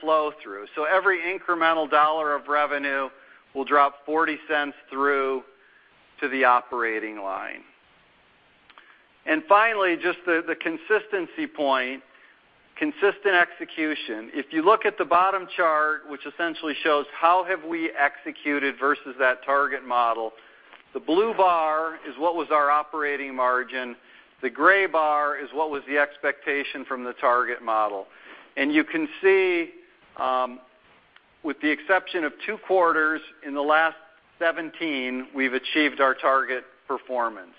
flow-through. Every incremental dollar of revenue will drop $0.40 through to the operating line. Finally, just the consistency point, consistent execution. If you look at the bottom chart, which essentially shows how have we executed versus that target model, the blue bar is what was our operating margin. The gray bar is what was the expectation from the target model. You can see, with the exception of two quarters in the last 17, we've achieved our target performance.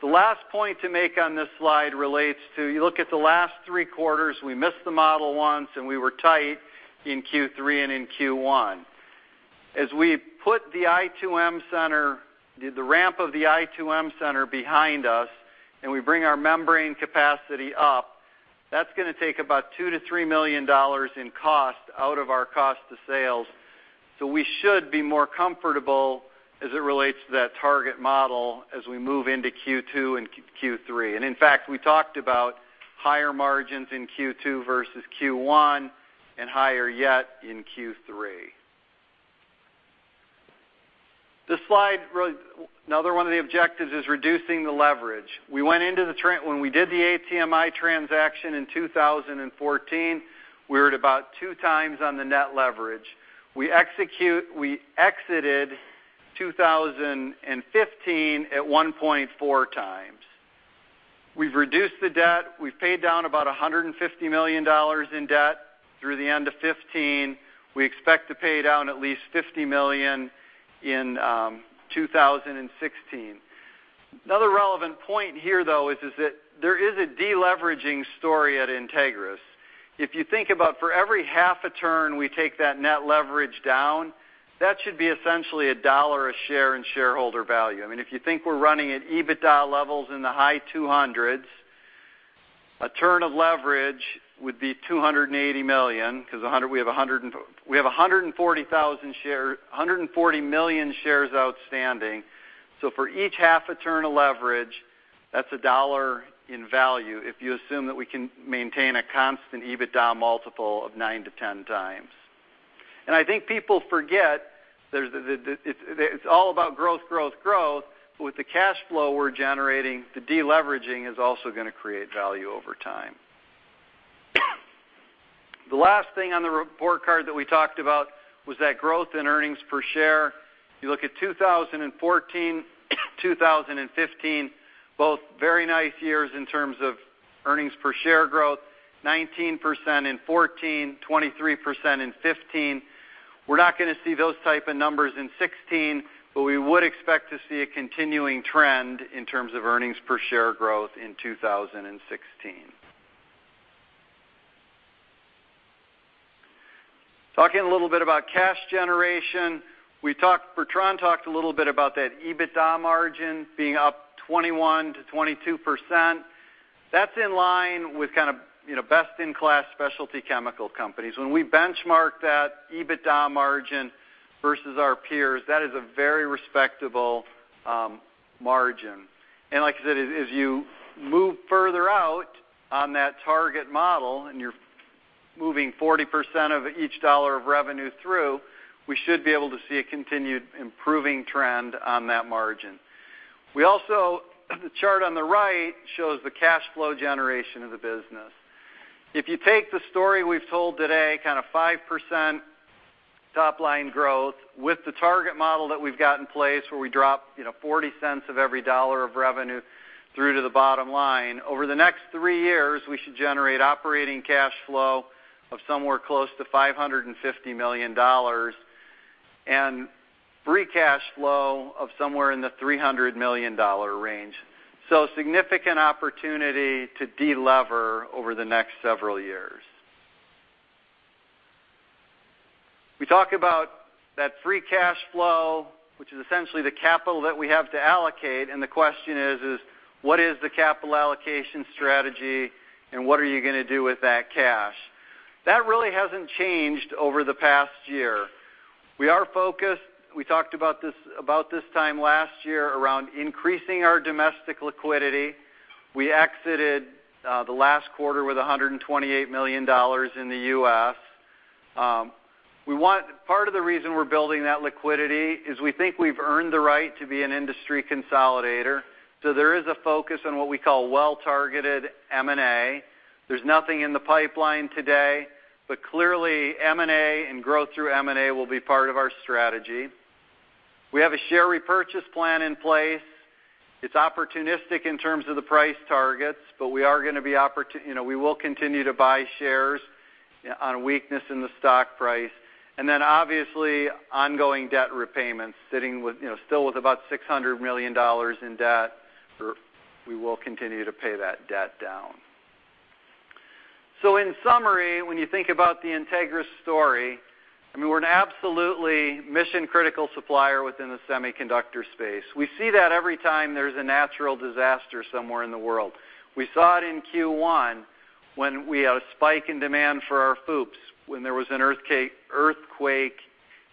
The last point to make on this slide relates to you look at the last three quarters, we missed the model once, and we were tight in Q3 and in Q1. As we put the i2M Center, the ramp of the i2M Center behind us, and we bring our membrane capacity up, that's going to take about $2 million to $3 million in cost out of our cost of sales. We should be more comfortable as it relates to that target model as we move into Q2 and Q3. In fact, we talked about higher margins in Q2 versus Q1 and higher yet in Q3. This slide, another one of the objectives is reducing the leverage. When we did the ATMI transaction in 2014, we were at about two times on the net leverage. We exited 2015 at 1.4 times. We've reduced the debt. We've paid down about $150 million in debt through the end of 2015. We expect to pay down at least $50 million in 2016. Another relevant point here, though, is that there is a de-leveraging story at Entegris. If you think about for every half a turn we take that net leverage down, that should be essentially $1 a share in shareholder value. If you think we're running at EBITDA levels in the high $200s, a turn of leverage would be $280 million because we have 140 million shares outstanding. So for each half a turn of leverage, that's $1 in value if you assume that we can maintain a constant EBITDA multiple of nine to 10 times. I think people forget it's all about growth. But with the cash flow we're generating, the de-leveraging is also going to create value over time. The last thing on the report card that we talked about was that growth in earnings per share. You look at 2014, 2015, both very nice years in terms of earnings per share growth, 19% in 2014, 23% in 2015. We're not going to see those type of numbers in 2016, but we would expect to see a continuing trend in terms of earnings per share growth in 2016. Talking a little bit about cash generation. Bertrand talked a little bit about that EBITDA margin being up 21% to 22%. That's in line with kind of best-in-class specialty chemical companies. When we benchmark that EBITDA margin versus our peers, that is a very respectable margin. Like I said, as you move further out on that target model, and you're moving 40% of each dollar of revenue through, we should be able to see a continued improving trend on that margin. The chart on the right shows the cash flow generation of the business. If you take the story we've told today, kind of 5% top-line growth with the target model that we've got in place where we drop $0.40 of every dollar of revenue through to the operating line, over the next three years, we should generate operating cash flow of somewhere close to $550 million and free cash flow of somewhere in the $300 million range. So significant opportunity to de-lever over the next several years. We talk about that free cash flow, which is essentially the capital that we have to allocate, and the question is: what is the capital allocation strategy, and what are you going to do with that cash? That really hasn't changed over the past year. We are focused. We talked about this time last year around increasing our domestic liquidity. We exited the last quarter with $128 million in the U.S. Part of the reason we're building that liquidity is we think we've earned the right to be an industry consolidator. There is a focus on what we call well-targeted M&A. There's nothing in the pipeline today, clearly M&A and growth through M&A will be part of our strategy. We have a share repurchase plan in place. It's opportunistic in terms of the price targets, we will continue to buy shares on a weakness in the stock price. Obviously, ongoing debt repayments, sitting still with about $600 million in debt. We will continue to pay that debt down. In summary, when you think about the Entegris story, we're an absolutely mission-critical supplier within the semiconductor space. We see that every time there's a natural disaster somewhere in the world. We saw it in Q1 when we had a spike in demand for our FOUPs when there was an earthquake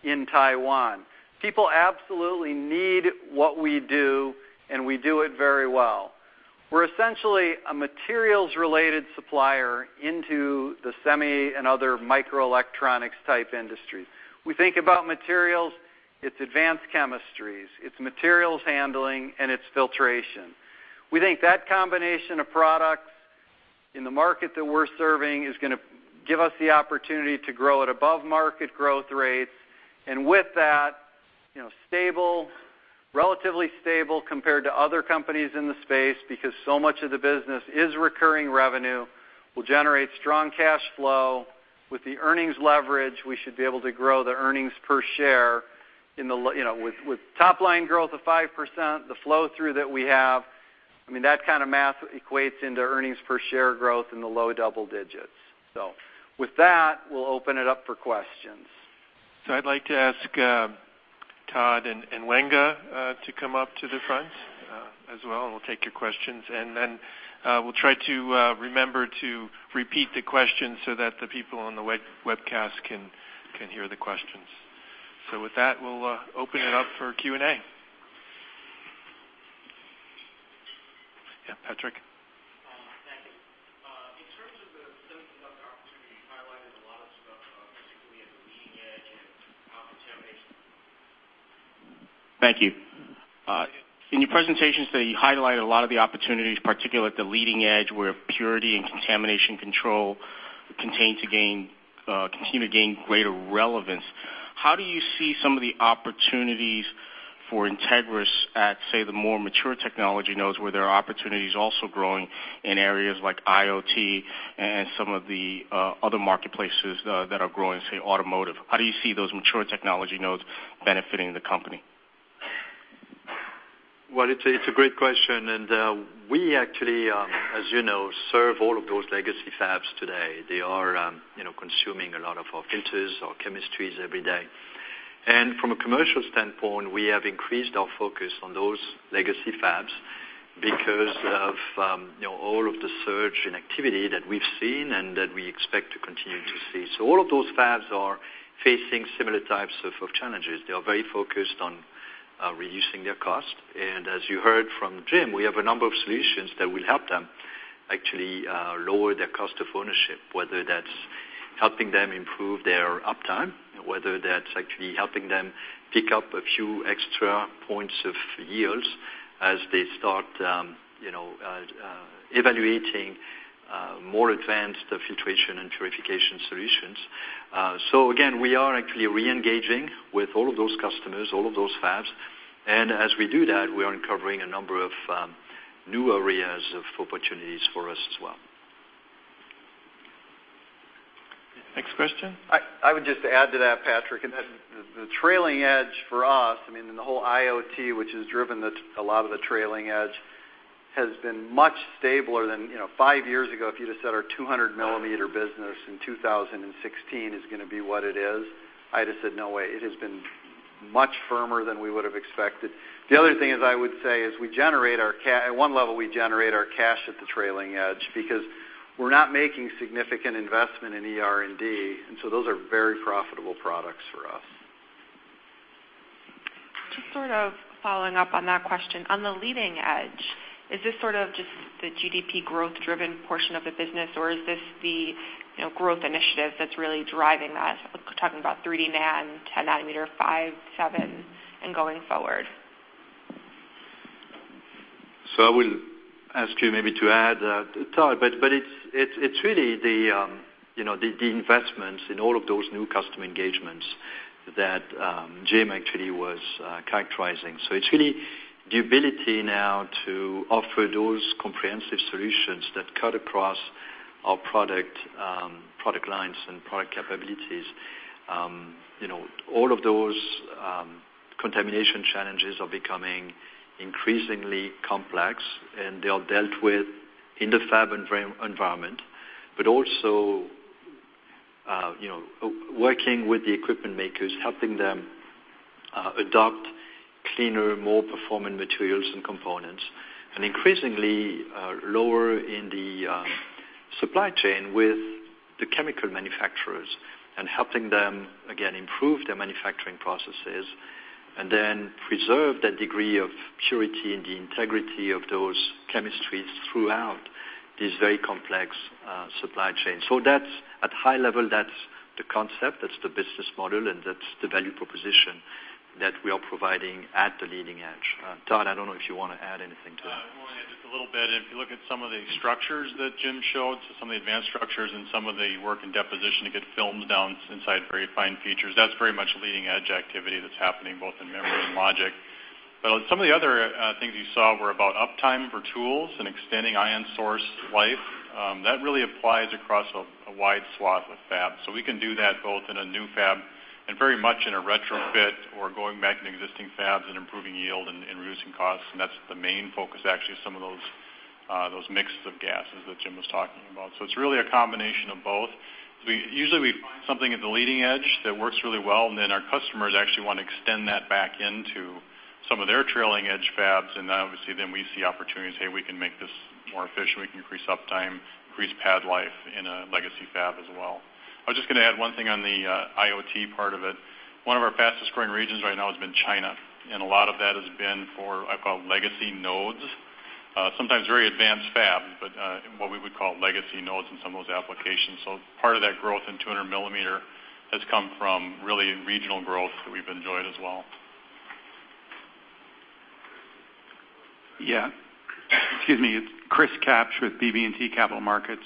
in Taiwan. People absolutely need what we do, and we do it very well. We're essentially a materials-related supplier into the semi and other microelectronics type industry. We think about materials, it's advanced chemistries, it's materials handling, and it's filtration. We think that combination of products in the market that we're serving is going to give us the opportunity to grow at above-market growth rates. With that, relatively stable compared to other companies in the space because so much of the business is recurring revenue. We'll generate strong cash flow. With the earnings leverage, we should be able to grow the earnings per share With top line growth of 5%, the flow-through that we have, that kind of math equates into earnings per share growth in the low double digits. With that, we'll open it up for questions. I'd like to ask Todd and Wenge to come up to the front as well, we'll take your questions. We'll try to remember to repeat the question so that the people on the webcast can hear the questions. With that, we'll open it up for Q&A. Yeah, Patrick. Thank you. In terms of the semiconductor opportunity, you highlighted a lot of stuff, particularly at the leading edge and contamination. Thank you. Yeah. In your presentations today, you highlighted a lot of the opportunities, particularly at the leading edge, where purity and contamination control continue to gain greater relevance. How do you see some of the opportunities for Entegris at, say, the more mature technology nodes, where there are opportunities also growing in areas like IoT and some of the other marketplaces that are growing, say, automotive. How do you see those mature technology nodes benefiting the company? Well, it's a great question, we actually, as you know, serve all of those legacy fabs today. They are consuming a lot of our filters, our chemistries every day. From a commercial standpoint, we have increased our focus on those legacy fabs because of all of the surge in activity that we've seen and that we expect to continue to see. All of those fabs are facing similar types of challenges. They are very focused on reducing their cost, and as you heard from Jim, we have a number of solutions that will help them actually lower their cost of ownership, whether that's helping them improve their uptime, whether that's actually helping them pick up a few extra points of yields as they start evaluating more advanced filtration and purification solutions. Again, we are actually re-engaging with all of those customers, all of those fabs. As we do that, we are uncovering a number of new areas of opportunities for us as well. Next question. I would just add to that, Patrick, and that the trailing edge for us, the whole IoT, which has driven a lot of the trailing edge, has been much stabler. Five years ago, if you'd have said our 200-millimeter business in 2016 is going to be what it is, I'd have said, "No way." It has been much firmer than we would've expected. The other thing is I would say is, at one level, we generate our cash at the trailing edge because we're not making significant investment in ER&D, and so those are very profitable products for us. Just sort of following up on that question. On the leading edge, is this sort of just the GDP growth-driven portion of the business, or is this the growth initiative that's really driving that? We're talking about 3D NAND, 10 nanometer, five, seven, and going forward. I will ask you maybe to add, Todd, but it's really the investments in all of those new customer engagements that Jim actually was characterizing. It's really the ability now to offer those comprehensive solutions that cut across our product lines and product capabilities. All of those contamination challenges are becoming increasingly complex, and they are dealt with in the fab environment, but also working with the equipment makers, helping them adopt cleaner, more performant materials and components, and increasingly, lower in the supply chain with the chemical manufacturers and helping them, again, improve their manufacturing processes, and then preserve that degree of purity and the integrity of those chemistries throughout this very complex supply chain. At high level, that's the concept, that's the business model, and that's the value proposition that we are providing at the leading edge. Todd, I don't know if you want to add anything to that. I'm going to add just a little bit. If you look at some of the structures that Jim showed, some of the advanced structures and some of the work in deposition to get films down inside very fine features, that's very much leading-edge activity that's happening both in memory and logic. Some of the other things you saw were about uptime for tools and extending ion source life. That really applies across a wide swath of fabs. We can do that both in a new fab and very much in a retrofit or going back to existing fabs and improving yield and reducing costs, and that's the main focus, actually, of some of those mixes of gases that Jim was talking about. It's really a combination of both. Usually, we find something at the leading edge that works really well, our customers actually want to extend that back into some of their trailing-edge fabs, obviously, we see opportunities, hey, we can make this more efficient. We can increase uptime, increase pad life in a legacy fab as well. I was just going to add one thing on the IoT part of it. One of our fastest-growing regions right now has been China, and a lot of that has been for, I call, legacy nodes. Sometimes very advanced fab, but what we would call legacy nodes in some of those applications. Part of that growth in 200 millimeter has come from really regional growth that we've enjoyed as well. Excuse me, it's Chris Kapsch with BB&T Capital Markets.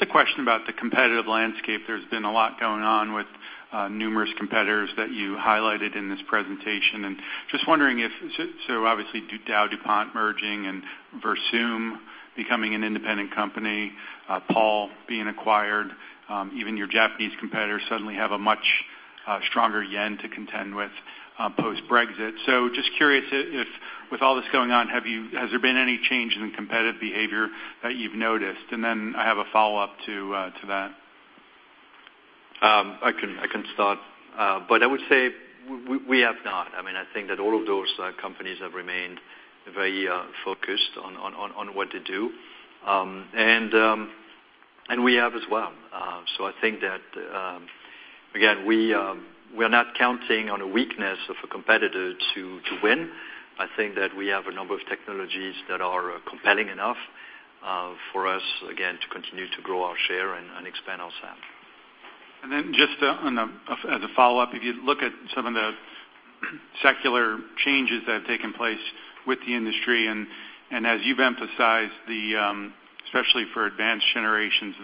A question about the competitive landscape. There's been a lot going on with numerous competitors that you highlighted in this presentation. Obviously, DowDuPont merging and Versum becoming an independent company, Pall being acquired. Even your Japanese competitors suddenly have a much- A stronger yen to contend with post-Brexit. Curious if, with all this going on, has there been any change in competitive behavior that you've noticed? I have a follow-up to that. I can start. I would say we have not. I think that all of those companies have remained very focused on what to do. We have as well. I think that, again, we are not counting on a weakness of a competitor to win. I think that we have a number of technologies that are compelling enough for us, again, to continue to grow our share and expand our SAM. As a follow-up, if you look at some of the secular changes that have taken place with the industry, as you've emphasized, especially for advanced generations,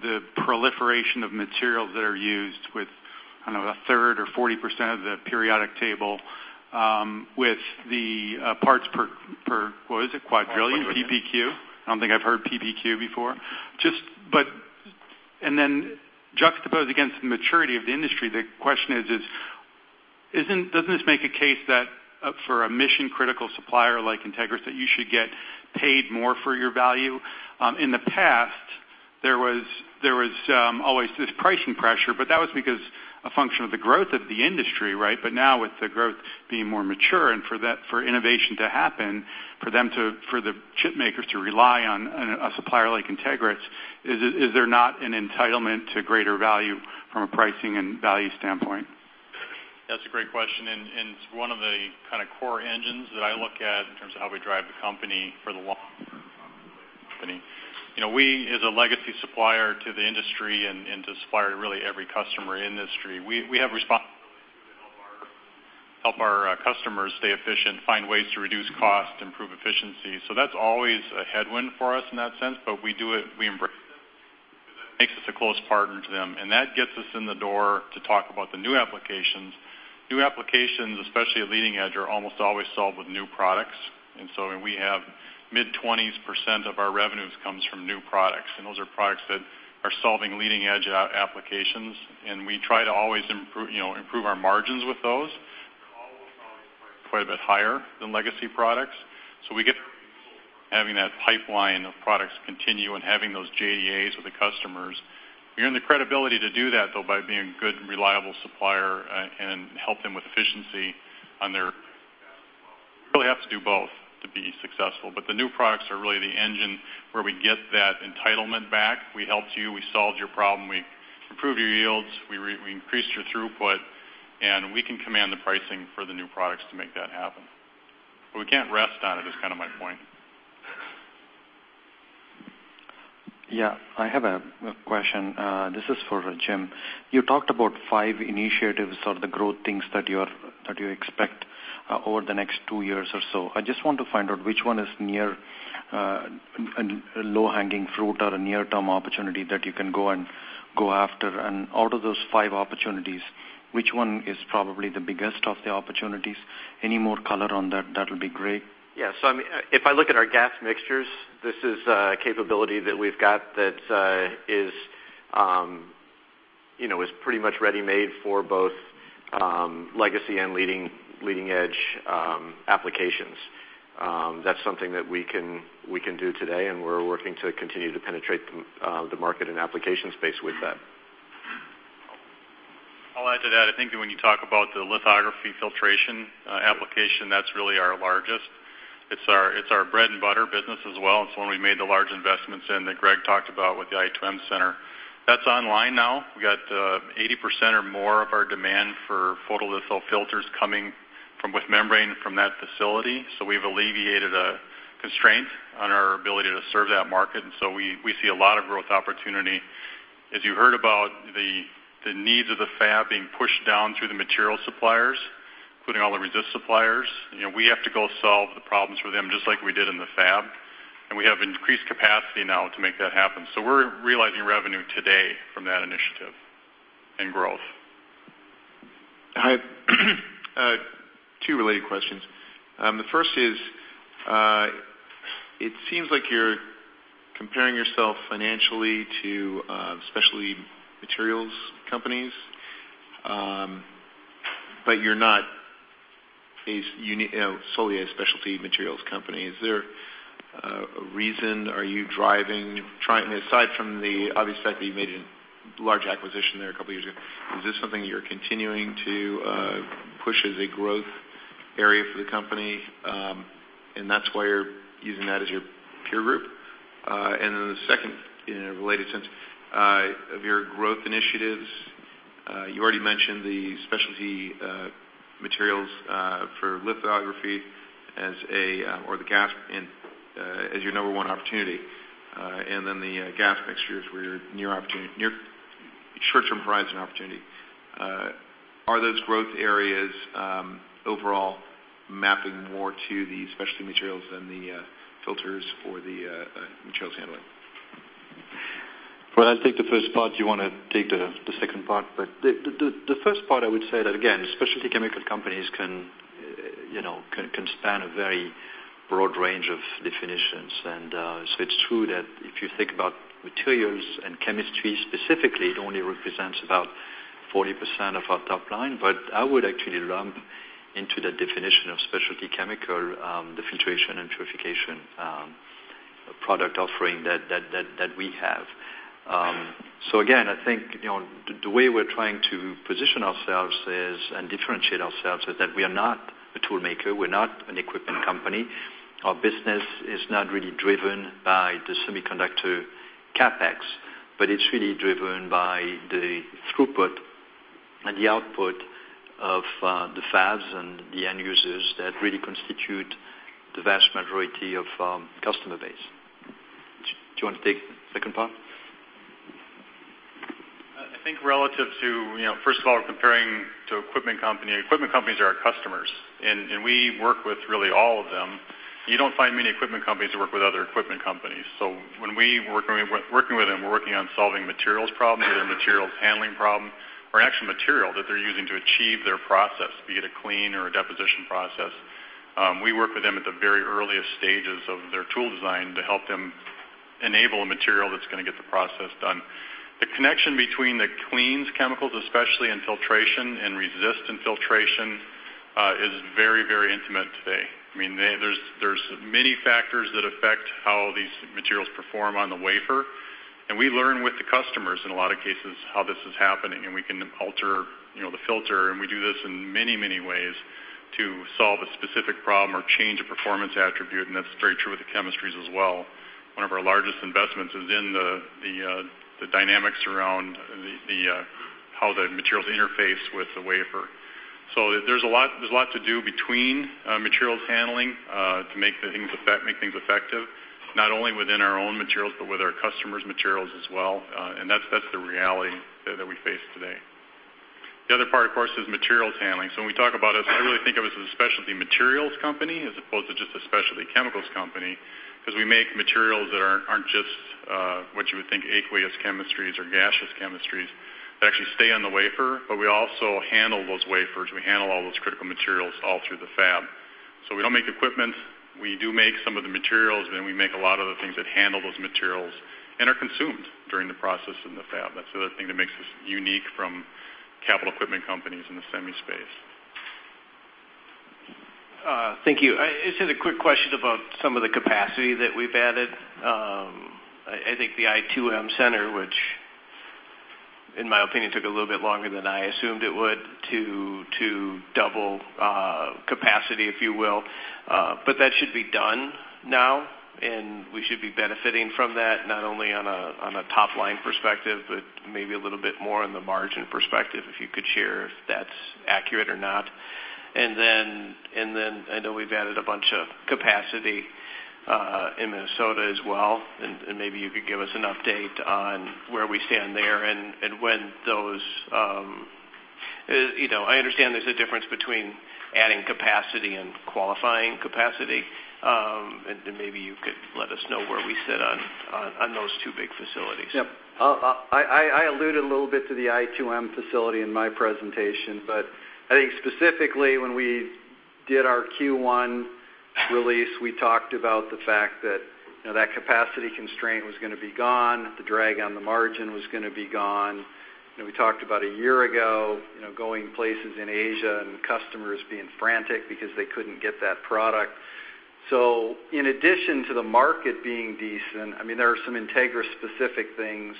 the proliferation of materials that are used with, I don't know, a third or 40% of the periodic table, with the parts per, what was it? Quadrillion PPQ? Quadrillion. I don't think I've heard PPQ before. Juxtaposed against the maturity of the industry, the question is, doesn't this make a case that for a mission-critical supplier like Entegris, that you should get paid more for your value? In the past, there was always this pricing pressure, that was because a function of the growth of the industry, right? Now with the growth being more mature and for innovation to happen, for the chip makers to rely on a supplier like Entegris, is there not an entitlement to greater value from a pricing and value standpoint? That's a great question, it's one of the kind of core engines that I look at in terms of how we drive the company for the long term. We, as a legacy supplier to the industry and to supplier to really every customer in the industry, we have a responsibility to help our customers stay efficient, find ways to reduce cost, improve efficiency. That's always a headwind for us in that sense, we do it. We embrace it, because it makes us a close partner to them. That gets us in the door to talk about the new applications. New applications, especially at leading edge, are almost always solved with new products. We have mid-20% of our revenues comes from new products, and those are products that are solving leading edge applications. We try to always improve our margins with those. We almost always price quite a bit higher than legacy products. We get having that pipeline of products continue and having those JDPs with the customers. We earn the credibility to do that, though, by being a good, reliable supplier and help them with efficiency on their. You really have to do both to be successful. The new products are really the engine where we get that entitlement back. We helped you, we solved your problem, we improved your yields, we increased your throughput, we can command the pricing for the new products to make that happen. We can't rest on it is kind of my point. Yeah. I have a question. This is for Jim. You talked about five initiatives or the growth things that you expect over the next two years or so. I just want to find out which one is near, low-hanging fruit or a near-term opportunity that you can go after. Out of those five opportunities, which one is probably the biggest of the opportunities? Any more color on that? That'll be great. Yeah. If I look at our gas mixtures, this is a capability that we've got that is pretty much ready-made for both legacy and leading-edge applications. That's something that we can do today, and we're working to continue to penetrate the market and application space with that. I'll add to that. I think that when you talk about the lithography filtration application, that's really our largest. It's our bread and butter business as well. It's one we made the large investments in that Greg talked about with the i2M Center. That's online now. We got 80% or more of our demand for photolitho filters coming with membrane from that facility. We've alleviated a constraint on our ability to serve that market. We see a lot of growth opportunity. As you heard about the needs of the fab being pushed down through the material suppliers, including all the resist suppliers, we have to go solve the problems for them, just like we did in the fab. We have increased capacity now to make that happen. We're realizing revenue today from that initiative and growth. Two related questions. The first is, it seems like you're comparing yourself financially to specialty materials companies. You're not solely a specialty materials company. Is there a reason? Are you driving, aside from the obvious fact that you made a large acquisition there a couple of years ago, is this something you're continuing to push as a growth area for the company, and that's why you're using that as your peer group? The second, in a related sense, of your growth initiatives, you already mentioned the specialty materials for lithography as a, or the gas as your number one opportunity. The gas mixtures were your short-term horizon opportunity. Are those growth areas overall mapping more to the specialty materials than the filters for the materials handling? Well, I'll take the first part. Do you want to take the second part? The first part, I would say that, again, specialty chemical companies can Can span a very broad range of definitions. It's true that if you think about materials and chemistry specifically, it only represents about 40% of our top line. I would actually lump into the definition of specialty chemical, the filtration and purification product offering that we have. I think, the way we're trying to position ourselves is, and differentiate ourselves, is that we are not a tool maker. We're not an equipment company. Our business is not really driven by the semiconductor CapEx, but it's really driven by the throughput and the output of the fabs and the end users that really constitute the vast majority of our customer base. Do you want to take the second part? I think relative to, first of all, comparing to equipment company, equipment companies are our customers, and we work with really all of them. You don't find many equipment companies that work with other equipment companies. When we're working with them, we're working on solving materials problems or their materials handling problem, or actually material that they're using to achieve their process, be it a clean or a deposition process. We work with them at the very earliest stages of their tool design to help them enable a material that's going to get the process done. The connection between the cleans chemicals, especially in filtration and resist in filtration, is very intimate today. There's many factors that affect how these materials perform on the wafer, and we learn with the customers in a lot of cases how this is happening. We can alter the filter. We do this in many ways to solve a specific problem or change a performance attribute. That's very true with the chemistries as well. One of our largest investments is in the dynamics around how the materials interface with the wafer. There's a lot to do between materials handling, to make things effective, not only within our own materials, but with our customers' materials as well. That's the reality that we face today. The other part, of course, is materials handling. When we talk about us, I really think of us as a specialty materials company as opposed to just a specialty chemicals company, because we make materials that aren't just what you would think aqueous chemistries or gaseous chemistries that actually stay on the wafer. We also handle those wafers. We handle all those critical materials all through the fab. We don't make equipment. We do make some of the materials, and then we make a lot of the things that handle those materials and are consumed during the process in the fab. That's the other thing that makes us unique from capital equipment companies in the semi space. Thank you. It's just a quick question about some of the capacity that we've added. I think the i2M center, which in my opinion took a little bit longer than I assumed it would to double capacity, if you will. That should be done now, and we should be benefiting from that, not only on a top-line perspective, but maybe a little bit more on the margin perspective, if you could share if that's accurate or not. I know we've added a bunch of capacity, in Minnesota as well. Maybe you could give us an update on where we stand there and when I understand there's a difference between adding capacity and qualifying capacity. Maybe you could let us know where we sit on those two big facilities. Yep. I alluded a little bit to the i2M facility in my presentation, but I think specifically when we did our Q1 release, we talked about the fact that that capacity constraint was going to be gone. The drag on the margin was going to be gone. We talked about a year ago, going places in Asia and customers being frantic because they couldn't get that product. In addition to the market being decent, there are some Entegris specific things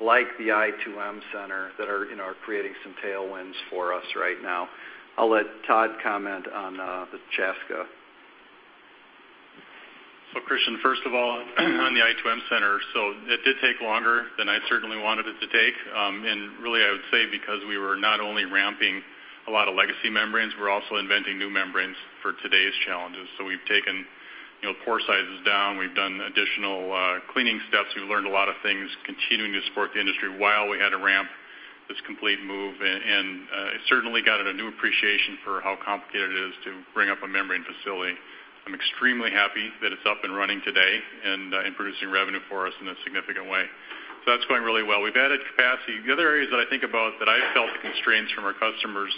like the i2M center that are creating some tailwinds for us right now. I'll let Todd comment on the Chaska. Christian, first of all, on the i2M center. It did take longer than I certainly wanted it to take. Really I would say because we were not only ramping a lot of legacy membranes, we're also inventing new membranes for today's challenges. We've taken pore sizes down. We've done additional cleaning steps. We've learned a lot of things continuing to support the industry while we had to ramp this complete move. I certainly got a new appreciation for how complicated it is to bring up a membrane facility. I'm extremely happy that it's up and running today and producing revenue for us in a significant way. That's going really well. We've added capacity. The other areas that I think about that I felt the constraints from our customers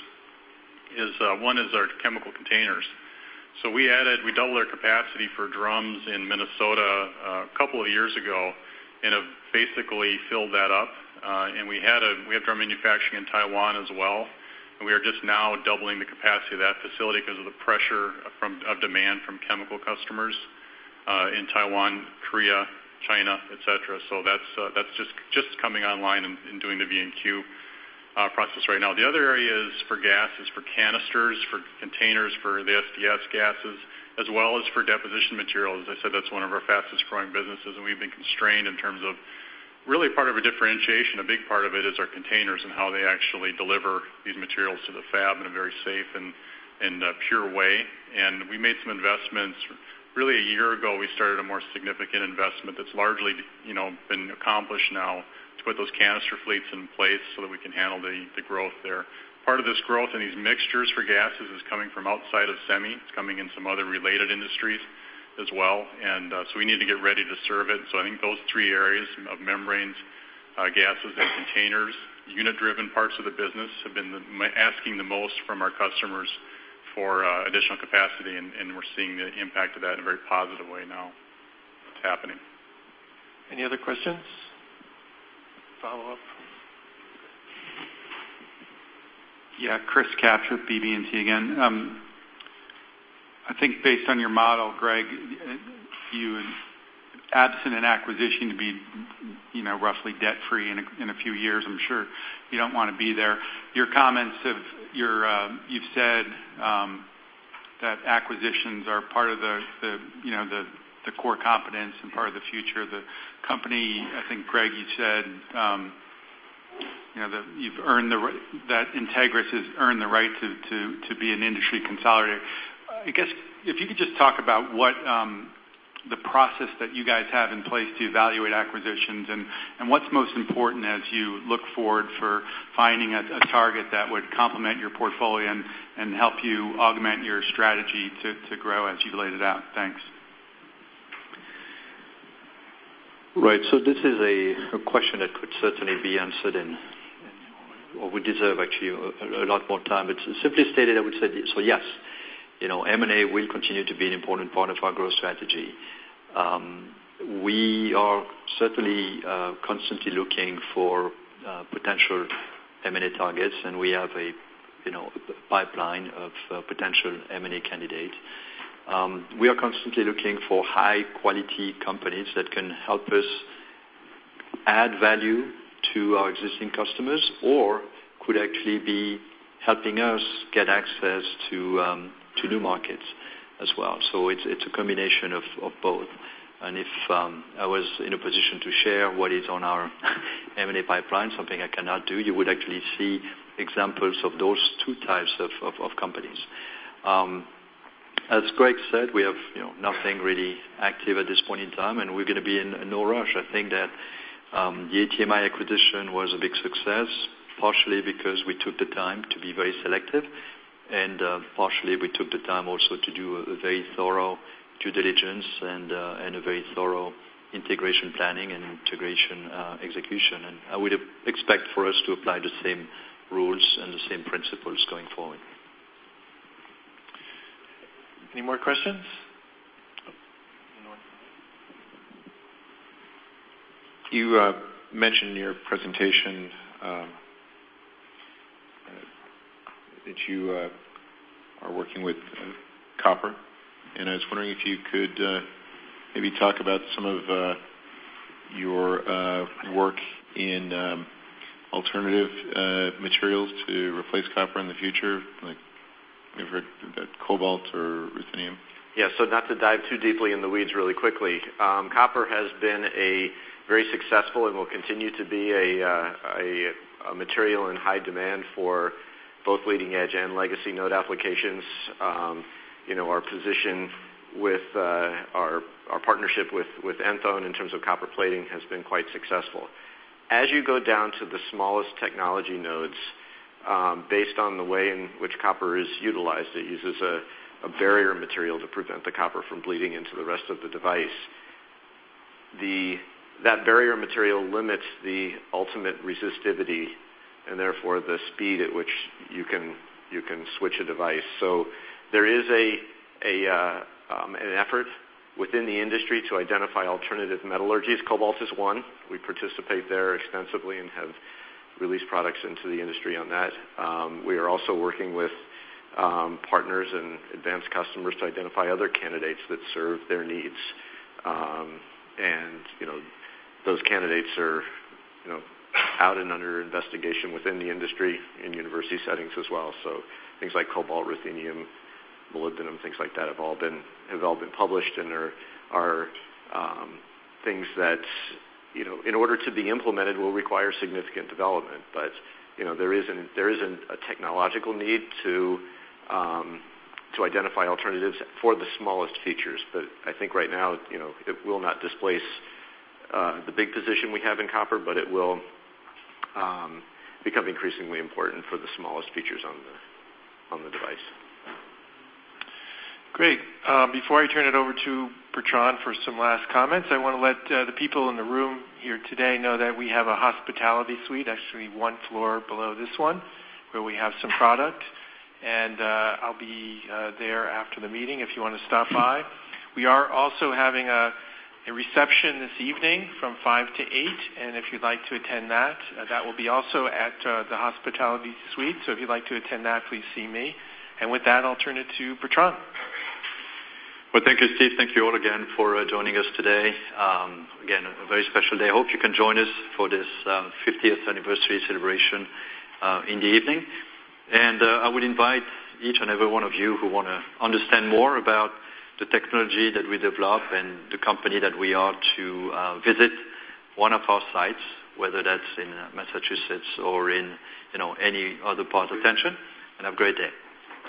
is, one is our chemical containers. We added, we doubled our capacity for drums in Minnesota a couple of years ago and have basically filled that up. We have drum manufacturing in Taiwan as well. We are just now doubling the capacity of that facility because of the pressure of demand from chemical customers, in Taiwan, Korea, China, et cetera. That's just coming online and doing the V&Q process right now. The other area is for gas, is for canisters, for containers, for the SDS gases, as well as for deposition materials. As I said, that's one of our fastest growing businesses. We've been constrained in terms of really part of a differentiation. A big part of it is our containers and how they actually deliver these materials to the fab in a very safe and pure way. We made some investments. Really a year ago, we started a more significant investment that's largely been accomplished now to put those canister fleets in place so that we can handle the growth there. Part of this growth in these mixtures for gases is coming from outside of semi. It's coming in some other related industries as well. We need to get ready to serve it. I think those three areas of membranes Gases and containers. Unit-driven parts of the business have been asking the most from our customers for additional capacity, we're seeing the impact of that in a very positive way now. It's happening. Any other questions? Follow-up? Yeah. Chris with BB&T again. I think based on your model, Greg, you, absent an acquisition to be roughly debt-free in a few years, I'm sure you don't want to be there. Your comments, you've said that acquisitions are part of the core competence and part of the future of the company. I think, Greg, you said that Entegris has earned the right to be an industry consolidator. I guess, if you could just talk about what the process that you guys have in place to evaluate acquisitions, and what's most important as you look forward for finding a target that would complement your portfolio and help you augment your strategy to grow as you laid it out. Thanks. Right. This is a question that could certainly be answered in, or would deserve, actually, a lot more time. Simply stated, I would say, yes, M&A will continue to be an important part of our growth strategy. We are certainly constantly looking for potential M&A targets, and we have a pipeline of potential M&A candidates. We are constantly looking for high-quality companies that can help us add value to our existing customers or could actually be helping us get access to new markets as well. It's a combination of both. If I was in a position to share what is on our M&A pipeline, something I cannot do, you would actually see examples of those two types of companies. As Greg said, we have nothing really active at this point in time, and we're going to be in no rush. I think that the ATMI acquisition was a big success, partially because we took the time to be very selective, and partially we took the time also to do a very thorough due diligence and a very thorough integration planning and integration execution. I would expect for us to apply the same rules and the same principles going forward. Any more questions? You mentioned in your presentation, that you are working with copper, and I was wondering if you could maybe talk about some of your work in alternative materials to replace copper in the future, like, maybe I've heard that cobalt or ruthenium. Yeah. Not to dive too deeply in the weeds really quickly. Copper has been very successful and will continue to be a material in high demand for both leading-edge and legacy node applications. Our position with our partnership with Enthone in terms of copper plating has been quite successful. As you go down to the smallest technology nodes, based on the way in which copper is utilized, it uses a barrier material to prevent the copper from bleeding into the rest of the device. That barrier material limits the ultimate resistivity and therefore the speed at which you can switch a device. There is an effort within the industry to identify alternative metallurgies. Cobalt is one. We participate there extensively and have released products into the industry on that. We are also working with partners and advanced customers to identify other candidates that serve their needs. Those candidates are out and under investigation within the industry, in university settings as well. Things like cobalt, ruthenium, molybdenum, things like that, have all been published and are things that, in order to be implemented, will require significant development. There is a technological need to identify alternatives for the smallest features. I think right now, it will not displace the big position we have in copper, but it will become increasingly important for the smallest features on the device. Great. Before I turn it over to Bertrand for some last comments, I want to let the people in the room here today know that we have a hospitality suite, actually one floor below this one, where we have some product. I'll be there after the meeting if you want to stop by. We are also having a reception this evening from 5:00 to 8:00, and if you'd like to attend that will be also at the hospitality suite. If you'd like to attend that, please see me. With that, I'll turn it to Bertrand. Well, thank you, Steve. Thank you all again for joining us today. Again, a very special day. I hope you can join us for this 50th anniversary celebration in the evening. I would invite each and every one of you who want to understand more about the technology that we develop and the company that we are to visit one of our sites, whether that's in Massachusetts or in any other part of the country. Have a great day.